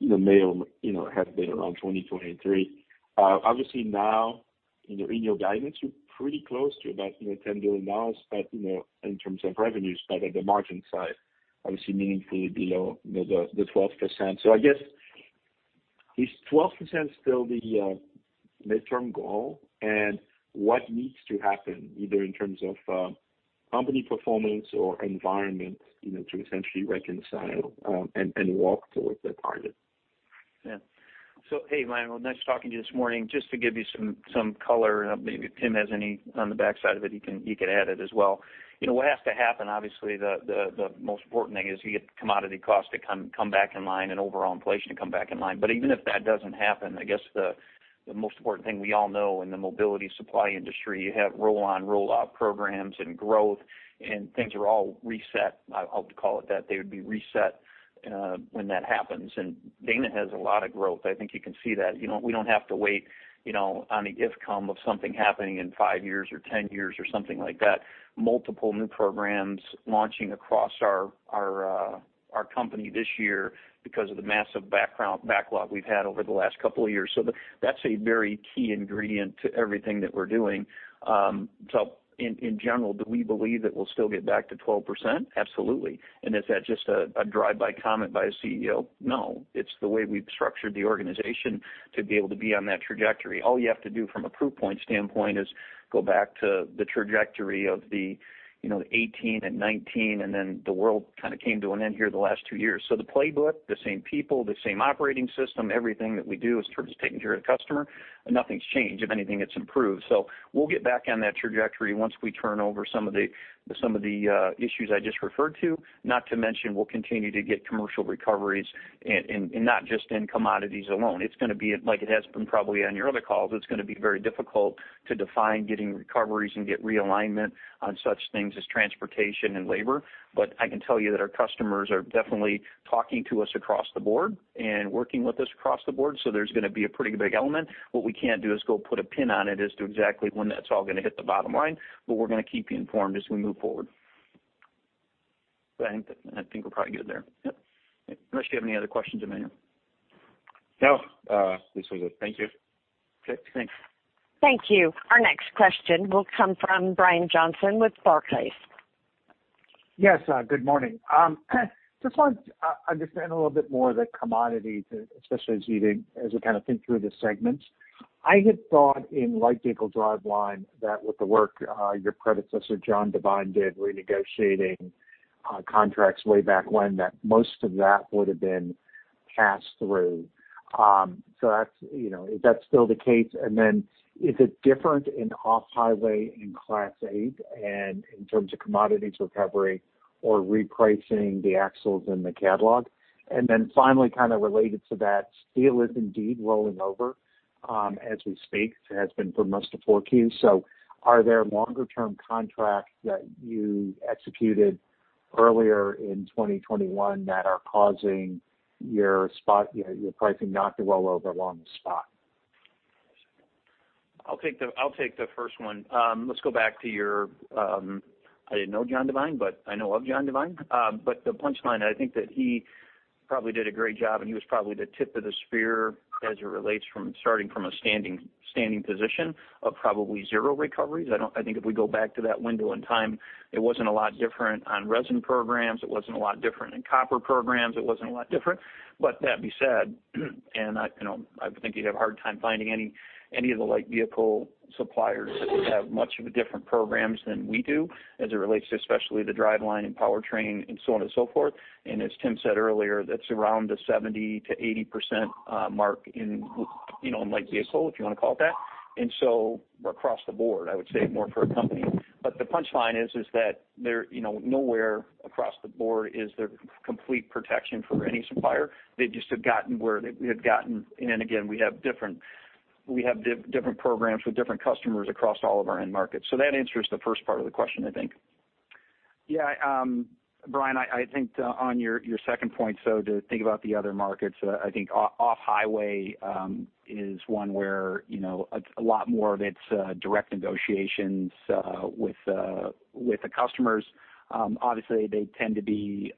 Speaker 7: you know, may, you know, have been around 2020, 2023. Obviously now, you know, in your guidance, you're pretty close to about, you know, $10 billion, but, you know, in terms of revenues, but at the margin side, obviously meaningfully below the 12%. I guess is 12% still the midterm goal and what needs to happen either in terms of company performance or environment, you know, to essentially reconcile and work towards that target?
Speaker 3: Hey, Emmanuel, nice talking to you this morning. Just to give you some color, and maybe if Tim has any on the backside of it, he could add it as well. You know, what has to happen, obviously the most important thing is you get commodity costs to come back in line and overall inflation to come back in line. But even if that doesn't happen, I guess the most important thing we all know in the mobility supply industry, you have roll-on, roll-off programs and growth and things are all reset. I'll call it that they would be reset when that happens. Dana has a lot of growth. I think you can see that. You know, we don't have to wait, you know, on an outcome of something happening in five years or ten years or something like that. Multiple new programs launching across our company this year because of the massive backlog we've had over the last couple of years. That's a very key ingredient to everything that we're doing. In general, do we believe that we'll still get back to 12%? Absolutely. Is that just a drive-by comment by a CEO? No, it's the way we've structured the organization to be able to be on that trajectory. All you have to do from a proof point standpoint is go back to the trajectory of the, you know, the 2018 and 2019, and then the world kind of came to an end here the last two years. The playbook, the same people, the same operating system, everything that we do in terms of taking care of the customer, nothing's changed. If anything, it's improved. We'll get back on that trajectory once we turn over some of the issues I just referred to. Not to mention, we'll continue to get commercial recoveries and not just in commodities alone. It's gonna be like it has been probably on your other calls. It's gonna be very difficult to define getting recoveries and get realignment on such things as transportation and labor. I can tell you that our customers are definitely talking to us across the board and working with us across the board, so there's gonna be a pretty big element. What we can't do is go put a pin on it as to exactly when that's all gonna hit the bottom line, but we're gonna keep you informed as we move forward. I think we're probably good there. Yep. Unless you have any other questions, Emmanuel.
Speaker 7: No, this was it. Thank you.
Speaker 3: Okay, thanks.
Speaker 1: Thank you. Our next question will come from Brian Johnson with Barclays.
Speaker 8: Yes, good morning. Just want to understand a little bit more the commodity especially as we kind of think through the segments. I had thought in light vehicle driveline that with the work your predecessor, John M. Devine, did renegotiating contracts way back when that most of that would have been passed through. So that's, you know, is that still the case? And then is it different in off-highway and Class 8 and in terms of commodities recovery or repricing the axles in the catalog? And then finally, kind of related to that, steel is indeed rolling over as we speak. It has been for most of 4Q. So are there longer term contracts that you executed earlier in 2021 that are causing your spot, you know, your pricing not to roll over along the spot?
Speaker 3: I'll take the first one. Let's go back to your. I didn't know John Devine, but I know of John Devine. The punchline, I think that he probably did a great job, and he was probably the tip of the spear as it relates from starting from a standing position of probably zero recoveries. I think if we go back to that window in time, it wasn't a lot different on resin programs. It wasn't a lot different in copper programs. It wasn't a lot different. That being said, and I, you know, I think you'd have a hard time finding any of the light vehicle suppliers that would have much of a different programs than we do as it relates to, especially the driveline and powertrain and so on and so forth. As Tim said earlier, that's around the 70%-80% mark in, you know, in light vehicle, if you wanna call it that. We're across the board, I would say more for a company. But the punchline is that there, you know, nowhere across the board is there complete protection for any supplier. They just have gotten where they have gotten. We have different programs with different customers across all of our end markets. So that answers the first part of the question, I think. Yeah. Brian, I think on your second point, so to think about the other markets, I think off-highway is one where, you know, a lot more of it's direct negotiations with the customers. Obviously, they tend to be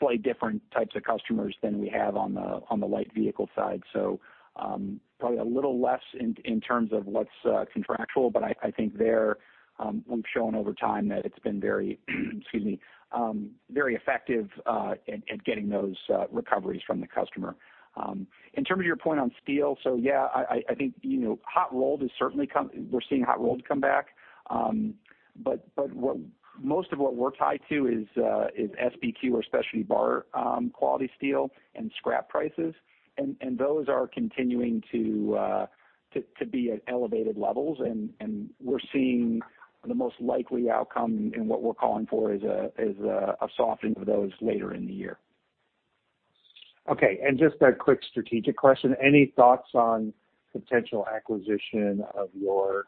Speaker 3: slightly different types of customers than we have on the light vehicle side. Probably a little less in terms of what's contractual, but I think there, we've shown over time that it's been very, excuse me, very effective at getting those recoveries from the customer. In terms of your point on steel, yeah, I think, you know, hot rolled is certainly coming back. We're seeing hot rolled come back. But what most of what we're tied to is SBQ or specialty bar quality steel and scrap prices. Those are continuing to be at elevated levels. We're seeing the most likely outcome in what we're calling for is a softening of those later in the year.
Speaker 8: Okay. Just a quick strategic question. Any thoughts on potential acquisition of your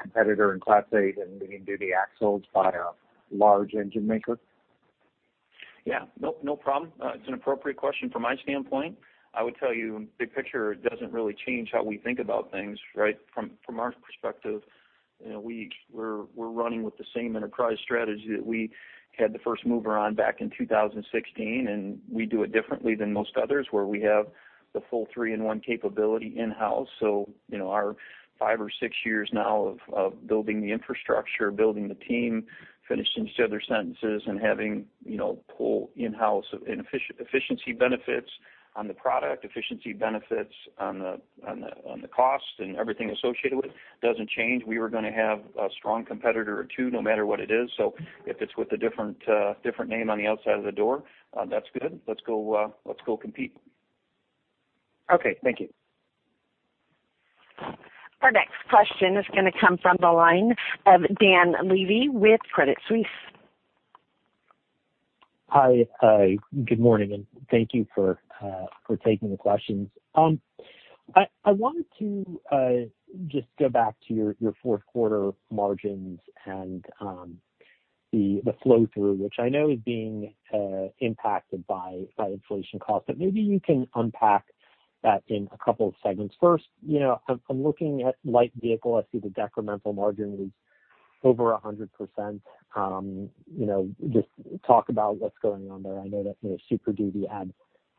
Speaker 8: competitor in Class 8 and medium-duty axles by a large engine maker?
Speaker 3: Yeah. No problem. It's an appropriate question from my standpoint. I would tell you, big picture, it doesn't really change how we think about things, right? From our perspective, you know, we're running with the same enterprise strategy that we had the first mover on back in 2016, and we do it differently than most others, where we have the full 3-in-1 capability in-house. You know, our five or six years now of building the infrastructure, building the team, finishing each other's sentences and having, you know, full in-house efficiency benefits on the product, efficiency benefits on the cost and everything associated with it doesn't change. We were gonna have a strong competitor or two no matter what it is. If it's with a different name on the outside of the door, that's good. Let's go compete. Okay. Thank you.
Speaker 1: Our next question is gonna come from the line of Dan Levy with Credit Suisse.
Speaker 9: Hi. Good morning, and thank you for taking the questions. I wanted to just go back to your fourth quarter margins and the flow-through, which I know is being impacted by inflation costs. Maybe you can unpack that in a couple of segments. First, you know, I'm looking at light vehicle. I see the decremental margin was over 100%. You know, just talk about what's going on there. I know that, you know, Super Duty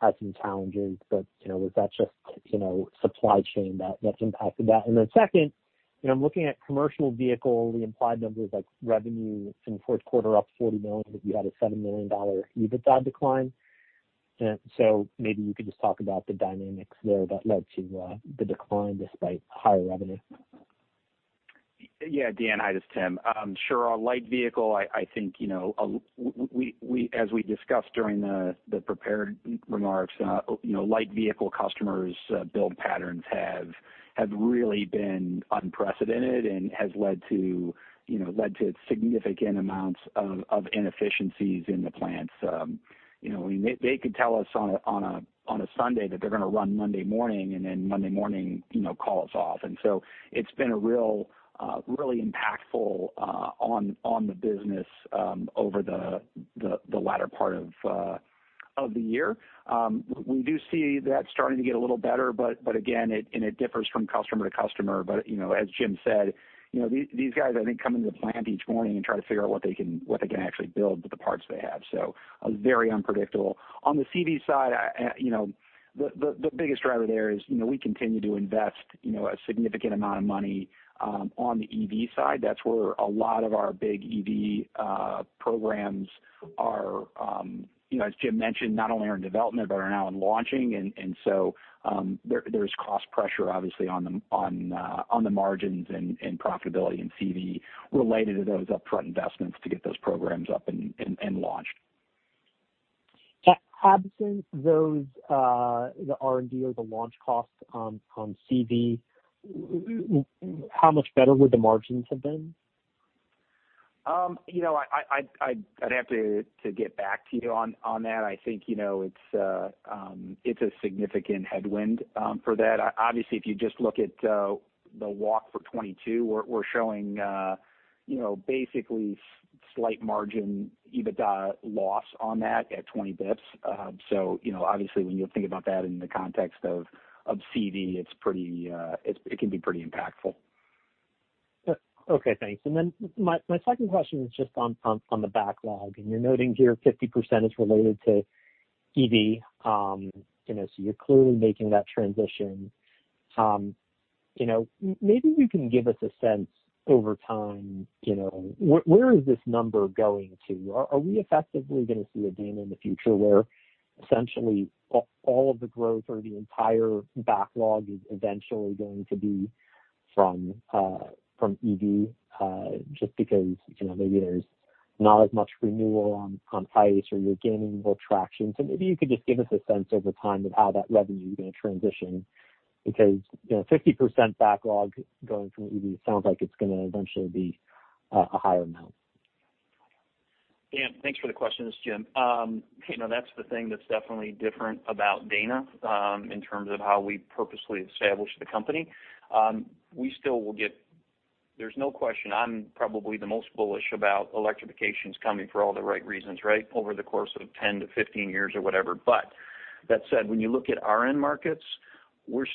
Speaker 9: had some challenges, but, you know, was that just, you know, supply chain that's impacted that? And then second, you know, I'm looking at commercial vehicle. The implied number is like revenue in the fourth quarter up $40 million, but you had a $7 million EBITDA decline. Maybe you could just talk about the dynamics there that led to the decline despite higher revenue.
Speaker 4: Yeah. Dan, hi, it is Tim. Sure. On light vehicle, I think, you know, we as we discussed during the prepared remarks, you know, light vehicle customers' build patterns have really been unprecedented and has led to significant amounts of inefficiencies in the plants. You know, I mean, they could tell us on a Sunday that they're gonna run Monday morning and then Monday morning, you know, call us off. It's been a really impactful on the business over the latter part of the year. We do see that starting to get a little better, but again, it differs from customer to customer. You know, as Jim said, you know, these guys, I think, come into the plant each morning and try to figure out what they can actually build with the parts they have. very unpredictable. On the CV side, you know, the biggest driver there is, you know, we continue to invest, you know, a significant amount of money on the EV side. That's where a lot of our big EV programs are, you know, as Jim mentioned, not only are in development but are now in launching. there's cost pressure obviously on the margins and profitability in CV related to those upfront investments to get those programs up and launched.
Speaker 9: Absent those, the R&D or the launch costs, from CV, how much better would the margins have been?
Speaker 4: You know, I'd have to get back to you on that. I think you know, it's a significant headwind for that. Obviously, if you just look at the walk for 2022, we're showing you know, basically slight margin EBITDA loss on that at 20 basis points. You know, obviously, when you think about that in the context of CV, it can be pretty impactful.
Speaker 9: Okay. Thanks. My second question is just on the backlog. You're noting here 50% is related to EV. You know, you're clearly making that transition. You know, maybe you can give us a sense over time, you know, where this number is going to. Are we effectively gonna see a day in the future where essentially all of the growth or the entire backlog is eventually going to be from EV just because, you know, maybe there's not as much renewal on ICE or you're gaining more traction. Maybe you could just give us a sense over time of how that revenue is gonna transition because, you know, 50% backlog going from EV sounds like it's gonna eventually be a higher amount.
Speaker 3: Dan, thanks for the question. This is Jim. You know, that's the thing that's definitely different about Dana in terms of how we purposely established the company. There's no question, I'm probably the most bullish about electrification's coming for all the right reasons, right, over the course of 10-15 years or whatever. But that said, when you look at our end markets, we're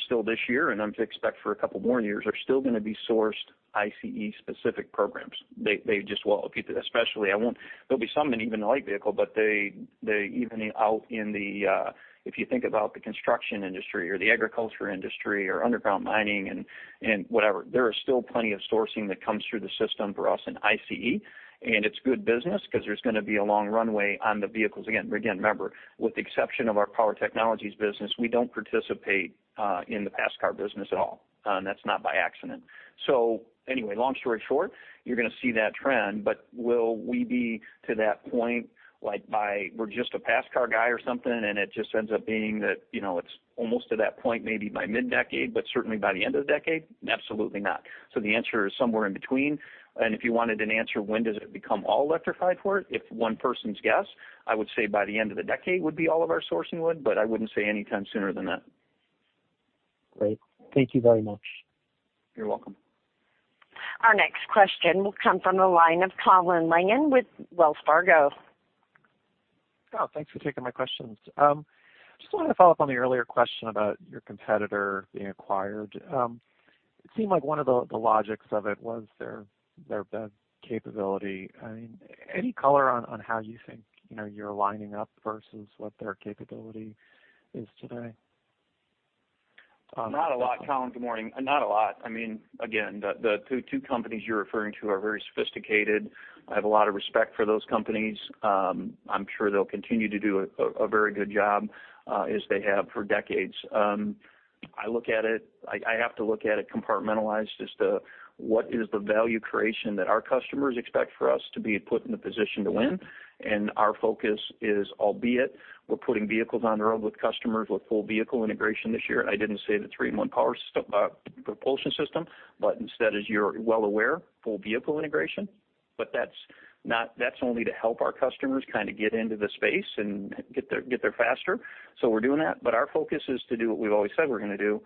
Speaker 3: still this year, and I expect for a couple more years, are still gonna be sourced ICE-specific programs. They just will. Especially, there'll be some in even the light vehicle, but they even out. If you think about the construction industry or the agriculture industry or underground mining and whatever, there is still plenty of sourcing that comes through the system for us in ICE. It's good business because there's gonna be a long runway on the vehicles. Again, remember, with the exception of our Power Technologies business, we don't participate in the passenger car business at all, and that's not by accident. Anyway, long story short, you're gonna see that trend, but will we be to that point, like by we're just a passenger car guy or something, and it just ends up being that, you know, it's almost to that point maybe by mid-decade, but certainly by the end of the decade? Absolutely not. The answer is somewhere in between. If you wanted an answer, when does it become all electrified for it? It's one person's guess, I would say by the end of the decade would be all of our sourcing would, but I wouldn't say any time sooner than that.
Speaker 9: Great. Thank you very much.
Speaker 3: You're welcome.
Speaker 1: Our next question will come from the line of Colin Langan with Wells Fargo.
Speaker 10: Oh, thanks for taking my questions. Just wanted to follow up on the earlier question about your competitor being acquired. It seemed like one of the logics of it was their capability. I mean, any color on how you think, you know, you're lining up versus what their capability is today?
Speaker 3: Not a lot, Colin. Good morning. Not a lot. I mean, again, the two companies you're referring to are very sophisticated. I have a lot of respect for those companies. I'm sure they'll continue to do a very good job, as they have for decades. I have to look at it compartmentalized as to what is the value creation that our customers expect for us to be put in the position to win. Our focus is, albeit we're putting vehicles on the road with customers with full vehicle integration this year. I didn't say the 3-in-1 power system, propulsion system, but instead, as you're well aware, full vehicle integration. That's not only to help our customers kinda get into the space and get there faster. We're doing that. Our focus is to do what we've always said we're gonna do,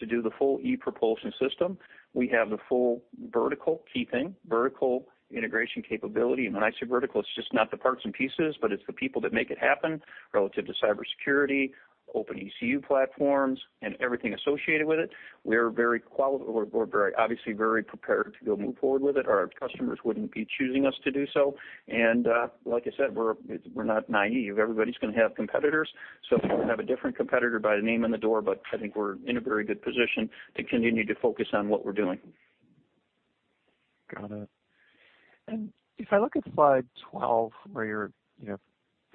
Speaker 3: to do the full e-Propulsion system. We have the full vertical integration capability. When I say vertical, it's just not the parts and pieces, but it's the people that make it happen relative to cybersecurity, open ECU platforms, and everything associated with it. We're obviously very prepared to move forward with it, or our customers wouldn't be choosing us to do so. Like I said, we're not naive. Everybody's gonna have competitors, so we'll have a different competitor by the name on the door. I think we're in a very good position to continue to focus on what we're doing.
Speaker 10: Got it. If I look at Slide 12, where you're, you know,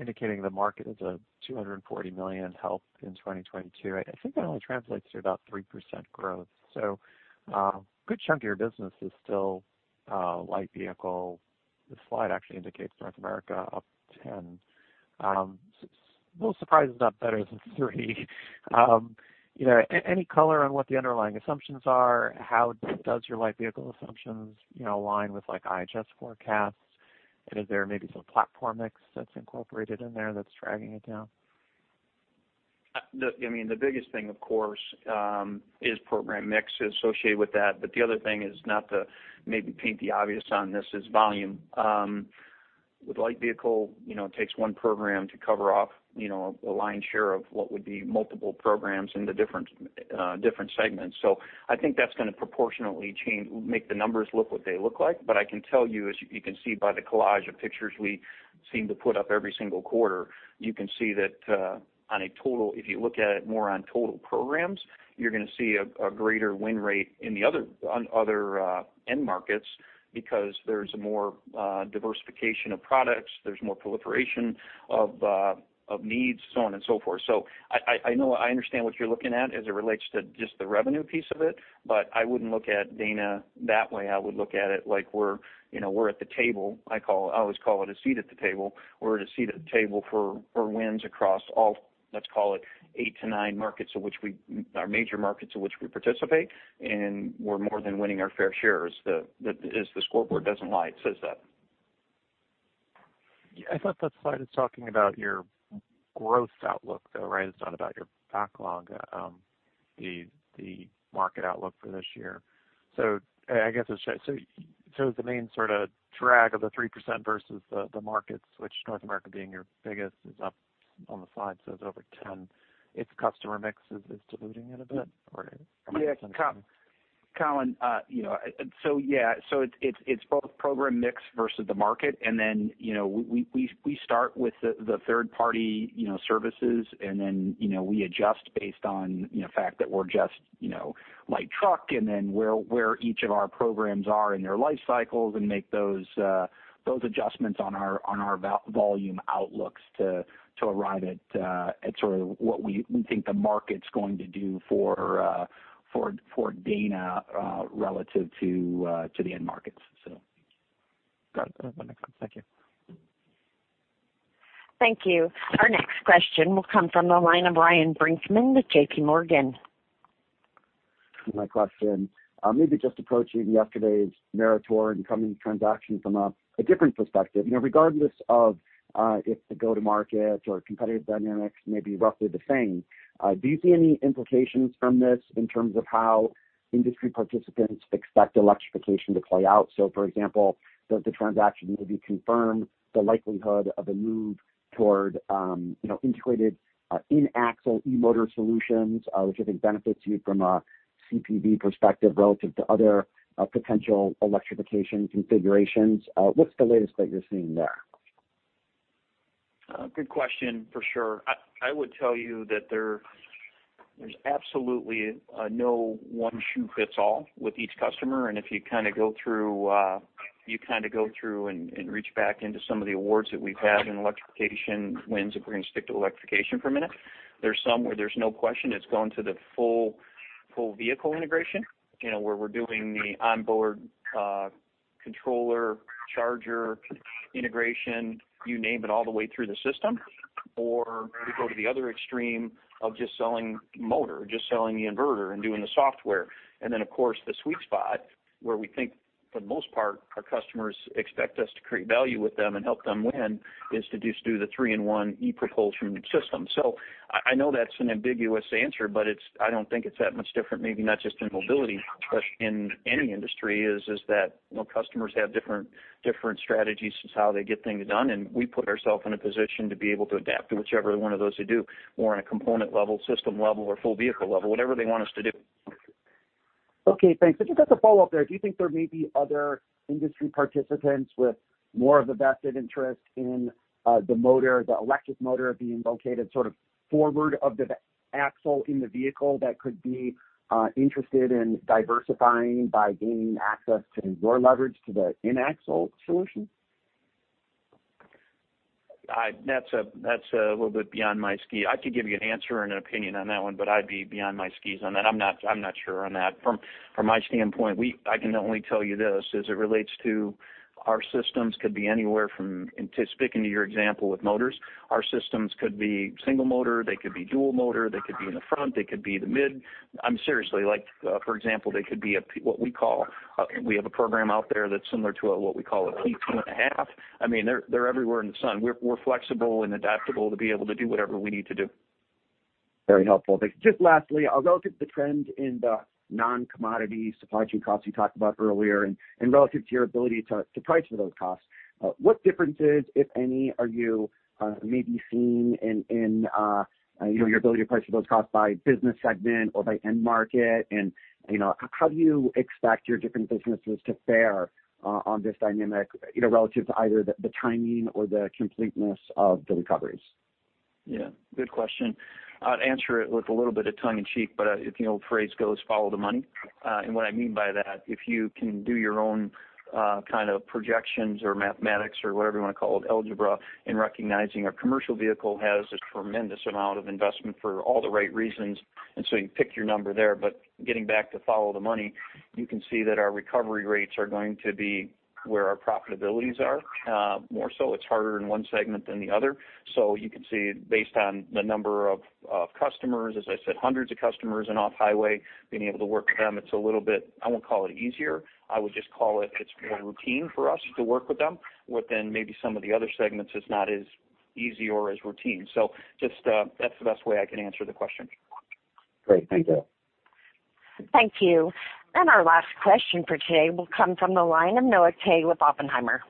Speaker 10: indicating the market is a $240 million headwind in 2022, I think that only translates to about 3% growth. Good chunk of your business is still light vehicle. The slide actually indicates North America up 10%. I'm a little surprised it's not better than 3%. You know, any color on what the underlying assumptions are? How does your light vehicle assumptions, you know, align with like IHS forecasts? And is there maybe some platform mix that's incorporated in there that's dragging it down?
Speaker 3: I mean, the biggest thing, of course, is program mix associated with that. The other thing, not to maybe state the obvious on this, is volume. With light vehicle, you know, it takes one program to cover off, you know, a lion's share of what would be multiple programs in the different segments. I think that's gonna proportionately change, make the numbers look like what they look like. I can tell you, as you can see by the collage of pictures we seem to put up every single quarter, you can see that on a total, if you look at it more on total programs, you're gonna see a greater win rate in the other end markets because there's more diversification of products, there's more proliferation of needs, so on and so forth. I know, I understand what you're looking at as it relates to just the revenue piece of it, but I wouldn't look at Dana that way. I would look at it like we're, you know, we're at the table. I always call it a seat at the table. We're at a seat at the table for wins across all, let's call it eight to nine markets, our major markets in which we participate, and we're more than winning our fair share, as the scoreboard doesn't lie, it says that.
Speaker 10: I thought that slide is talking about your growth outlook, though, right? It's not about your backlog, the market outlook for this year. I guess it shows, so the main sorta drag of the 3% versus the markets, which North America being your biggest, is up on the slide, so it's over 10%. It's customer mix is diluting it a bit or am I understanding.
Speaker 3: Yeah, Colin, you know, so it's both program mix versus the market. Then, you know, we start with the third party services and then we adjust based on the fact that we're just light truck and then where each of our programs are in their life cycles and make those adjustments on our volume outlooks to arrive at sort of what we think the market's going to do for Dana relative to the end markets.
Speaker 10: Got it. No further questions. Thank you.
Speaker 1: Thank you. Our next question will come from the line of Ryan Brinkman with JPMorgan.
Speaker 11: My question, maybe just approaching yesterday's Meritor incoming transaction from a different perspective. You know, regardless of if the go-to-market or competitive dynamics may be roughly the same, do you see any implications from this in terms of how industry participants expect electrification to play out? For example, does the transaction maybe confirm the likelihood of a move toward, you know, integrated in-axle e-motor solutions, which I think benefits you from a CPV perspective relative to other potential electrification configurations. What's the latest that you're seeing there?
Speaker 3: Good question for sure. I would tell you that there's absolutely no one size fits all with each customer. If you go through and reach back into some of the awards that we've had in electrification wins, if we're gonna stick to electrification for a minute, there's some where there's no question it's going to the full vehicle integration, you know, where we're doing the onboard controller, charger integration, you name it, all the way through the system. Or we go to the other extreme of just selling motor, just selling the inverter and doing the software. Then of course, the sweet spot, where we think for the most part our customers expect us to create value with them and help them win, is to just do the 3-in-1 e-Propulsion system. I know that's an ambiguous answer, but it's, I don't think it's that much different, maybe not just in mobility, but in any industry, that is, you know, customers have different strategies as to how they get things done, and we put ourselves in a position to be able to adapt to whichever one of those they do, more on a component level, system level or full vehicle level, whatever they want us to do.
Speaker 11: Okay, thanks. I've just got the follow-up there. Do you think there may be other industry participants with more of a vested interest in the motor, the electric motor being located sort of forward of the axle in the vehicle that could be interested in diversifying by gaining access to your leverage to the in-axle solution?
Speaker 3: That's a little bit beyond my skis. I could give you an answer and an opinion on that one, but I'd be beyond my skis on that. I'm not sure on that. From my standpoint, I can only tell you this, as it relates to our systems could be anywhere from. To speak into your example with motors, our systems could be single motor, they could be dual motor, they could be in the front, they could be the mid. I'm serious, like, for example, they could be what we call, we have a program out there that's similar to what we call a P2.5. I mean, they're everywhere under the sun. We're flexible and adaptable to be able to do whatever we need to do.
Speaker 11: Very helpful. Thank you. Just lastly, relative to the trend in the non-commodity supply chain costs you talked about earlier and relative to your ability to price for those costs, what differences, if any, are you maybe seeing in, you know, your ability to price for those costs by business segment or by end market? You know, how do you expect your different businesses to fare on this dynamic, you know, relative to either the timing or the completeness of the recoveries?
Speaker 3: Yeah. Good question. I'd answer it with a little bit of tongue in cheek, but, you know, the phrase goes, "Follow the money." What I mean by that, if you can do your own, kind of projections or mathematics or whatever you wanna call it, algebra, in recognizing a commercial vehicle has this tremendous amount of investment for all the right reasons, and so you pick your number there. Getting back to follow the money, you can see that our recovery rates are going to be where our profitabilities are. More so it's harder in one segment than the other. You can see based on the number of customers, as I said, hundreds of customers in off-highway, being able to work with them. It's a little bit. I won't call it easier. I would just call it. It's more routine for us to work with them. Within maybe some of the other segments it's not as easy or as routine. Just, that's the best way I can answer the question.
Speaker 11: Great. Thank you.
Speaker 1: Thank you. Our last question for today will come from the line of Noah Kaye with Oppenheimer.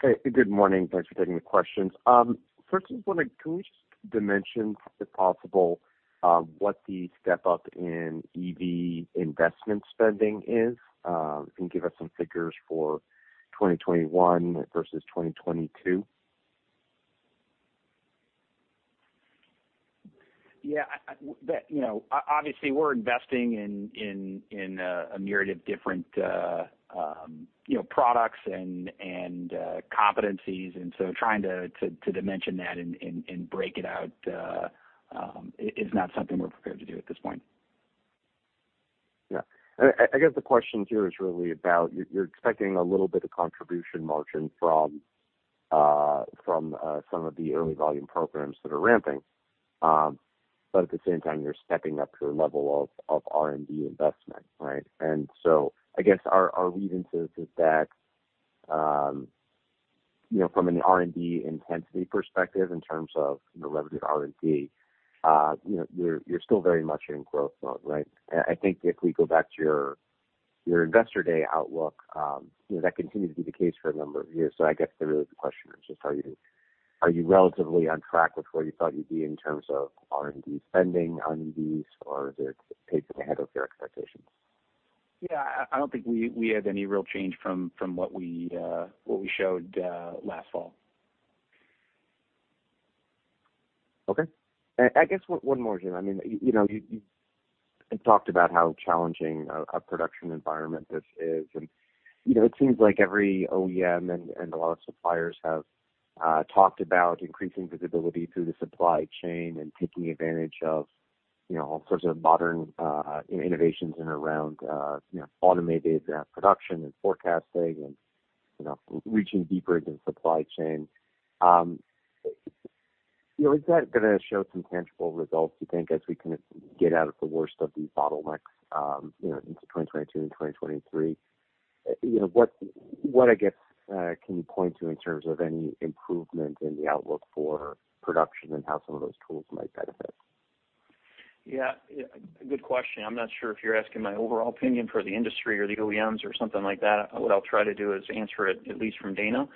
Speaker 12: Hey, good morning. Thanks for taking the questions. First, can we just dimension, if possible, what the step-up in EV investment spending is, and give us some figures for 2021 versus 2022?
Speaker 3: Yeah. You know, obviously, we're investing in a myriad of different products and competencies, and so trying to dimension that and break it out is not something we're prepared to do at this point.
Speaker 12: Yeah. I guess the question here is really about you're expecting a little bit of contribution margin from some of the early volume programs that are ramping. But at the same time, you're stepping up your level of R&D investment, right? I guess our read into this is that, you know, from an R&D intensity perspective in terms of the level of R&D, you know, you're still very much in growth mode, right? I think if we go back to your Investor Day outlook, you know, that continued to be the case for a number of years. I guess really the question is just are you relatively on track with where you thought you'd be in terms of R&D spending on these or is it pacing ahead of your expectations?
Speaker 3: Yeah. I don't think we have any real change from what we showed last fall.
Speaker 12: Okay. I guess one more, Jim. I mean, you know, you talked about how challenging a production environment this is, you know, it seems like every OEM and a lot of suppliers have talked about increasing visibility through the supply chain and taking advantage of you know, all sorts of modern innovations in and around you know, automated production and forecasting and you know, reaching deeper into supply chain. You know, is that gonna show some tangible results, you think, as we kind of get out of the worst of these bottlenecks, you know, into 2022 and 2023? You know, what I guess can you point to in terms of any improvement in the outlook for production and how some of those tools might benefit?
Speaker 3: Yeah. Good question. I'm not sure if you're asking my overall opinion for the industry or the OEMs or something like that. What I'll try to do is answer it at least from Dana.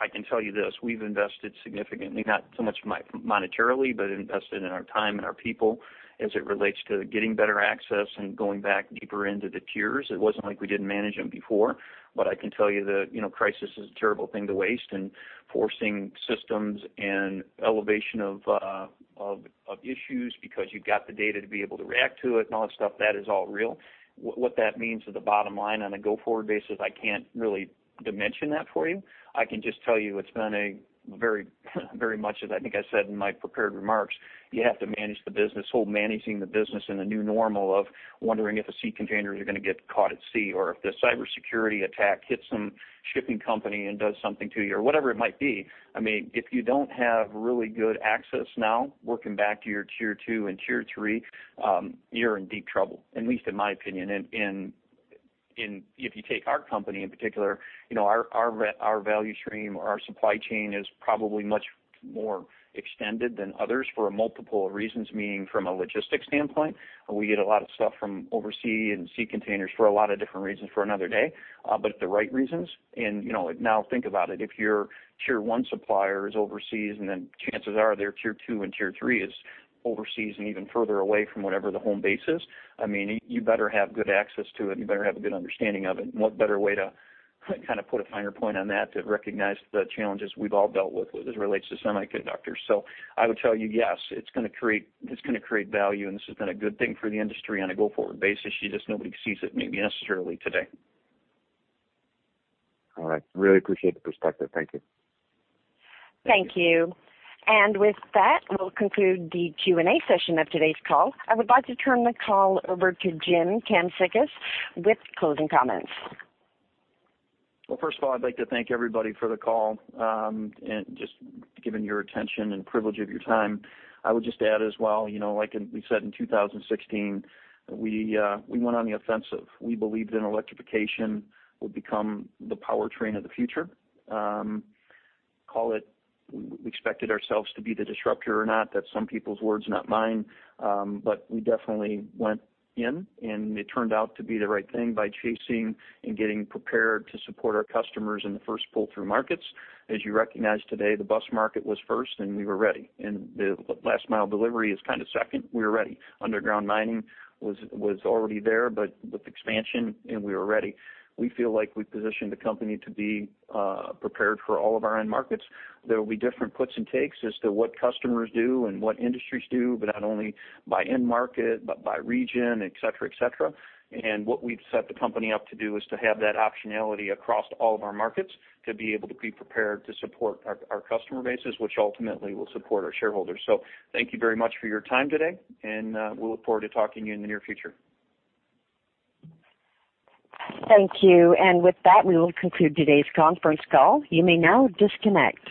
Speaker 3: I can tell you this, we've invested significantly, not so much monetarily, but invested in our time and our people as it relates to getting better access and going back deeper into the tiers. It wasn't like we didn't manage them before, but I can tell you that, you know, crisis is a terrible thing to waste. Forcing systems and elevation of issues because you've got the data to be able to react to it and all that stuff, that is all real. What that means to the bottom line on a go-forward basis, I can't really dimension that for you. I can just tell you it's been a very, very much, as I think I said in my prepared remarks, you have to manage the business. While managing the business in the new normal of wondering if a sea container is gonna get caught at sea or if the cybersecurity attack hits some shipping company and does something to you or whatever it might be. I mean, if you don't have really good access now, working back to your Tier 2 and Tier 3, you're in deep trouble, at least in my opinion. If you take our company in particular, you know, our value stream or our supply chain is probably much more extended than others for multiple reasons, meaning from a logistics standpoint. We get a lot of stuff from overseas and sea containers for a lot of different reasons for another day, but the right reasons. You know, now think about it. If your Tier 1 supplier is overseas, and then chances are their Tier 2 and Tier 3 is overseas and even further away from whatever the home base is, I mean, you better have good access to it, and you better have a good understanding of it. What better way to kind of put a finer point on that to recognize the challenges we've all dealt with as it relates to semiconductors. I would tell you, yes, it's gonna create value, and this has been a good thing for the industry on a go-forward basis. It's just nobody sees it maybe necessarily today.
Speaker 12: All right. Really appreciate the perspective. Thank you.
Speaker 1: Thank you. With that, we'll conclude the Q&A session of today's call. I would like to turn the call over to Jim Kamsickas with closing comments.
Speaker 3: Well, first of all, I'd like to thank everybody for the call, and just giving your attention and privilege of your time. I would just add as well, you know, like we said in 2016, we went on the offensive. We believed that electrification would become the powertrain of the future. Call it we expected ourselves to be the disruptor or not. That's some people's words, not mine. But we definitely went in, and it turned out to be the right thing by chasing and getting prepared to support our customers in the first pull-through markets. As you recognize today, the bus market was first, and we were ready. The last mile delivery is kind of second. We were ready. Underground mining was already there, but with expansion, and we were ready. We feel like we positioned the company to be prepared for all of our end markets. There will be different puts and takes as to what customers do and what industries do, but not only by end market, but by region, et cetera, et cetera. What we've set the company up to do is to have that optionality across all of our markets to be able to be prepared to support our customer bases, which ultimately will support our shareholders. Thank you very much for your time today, and we look forward to talking to you in the near future.
Speaker 1: Thank you. With that, we will conclude today's conference call. You may now disconnect.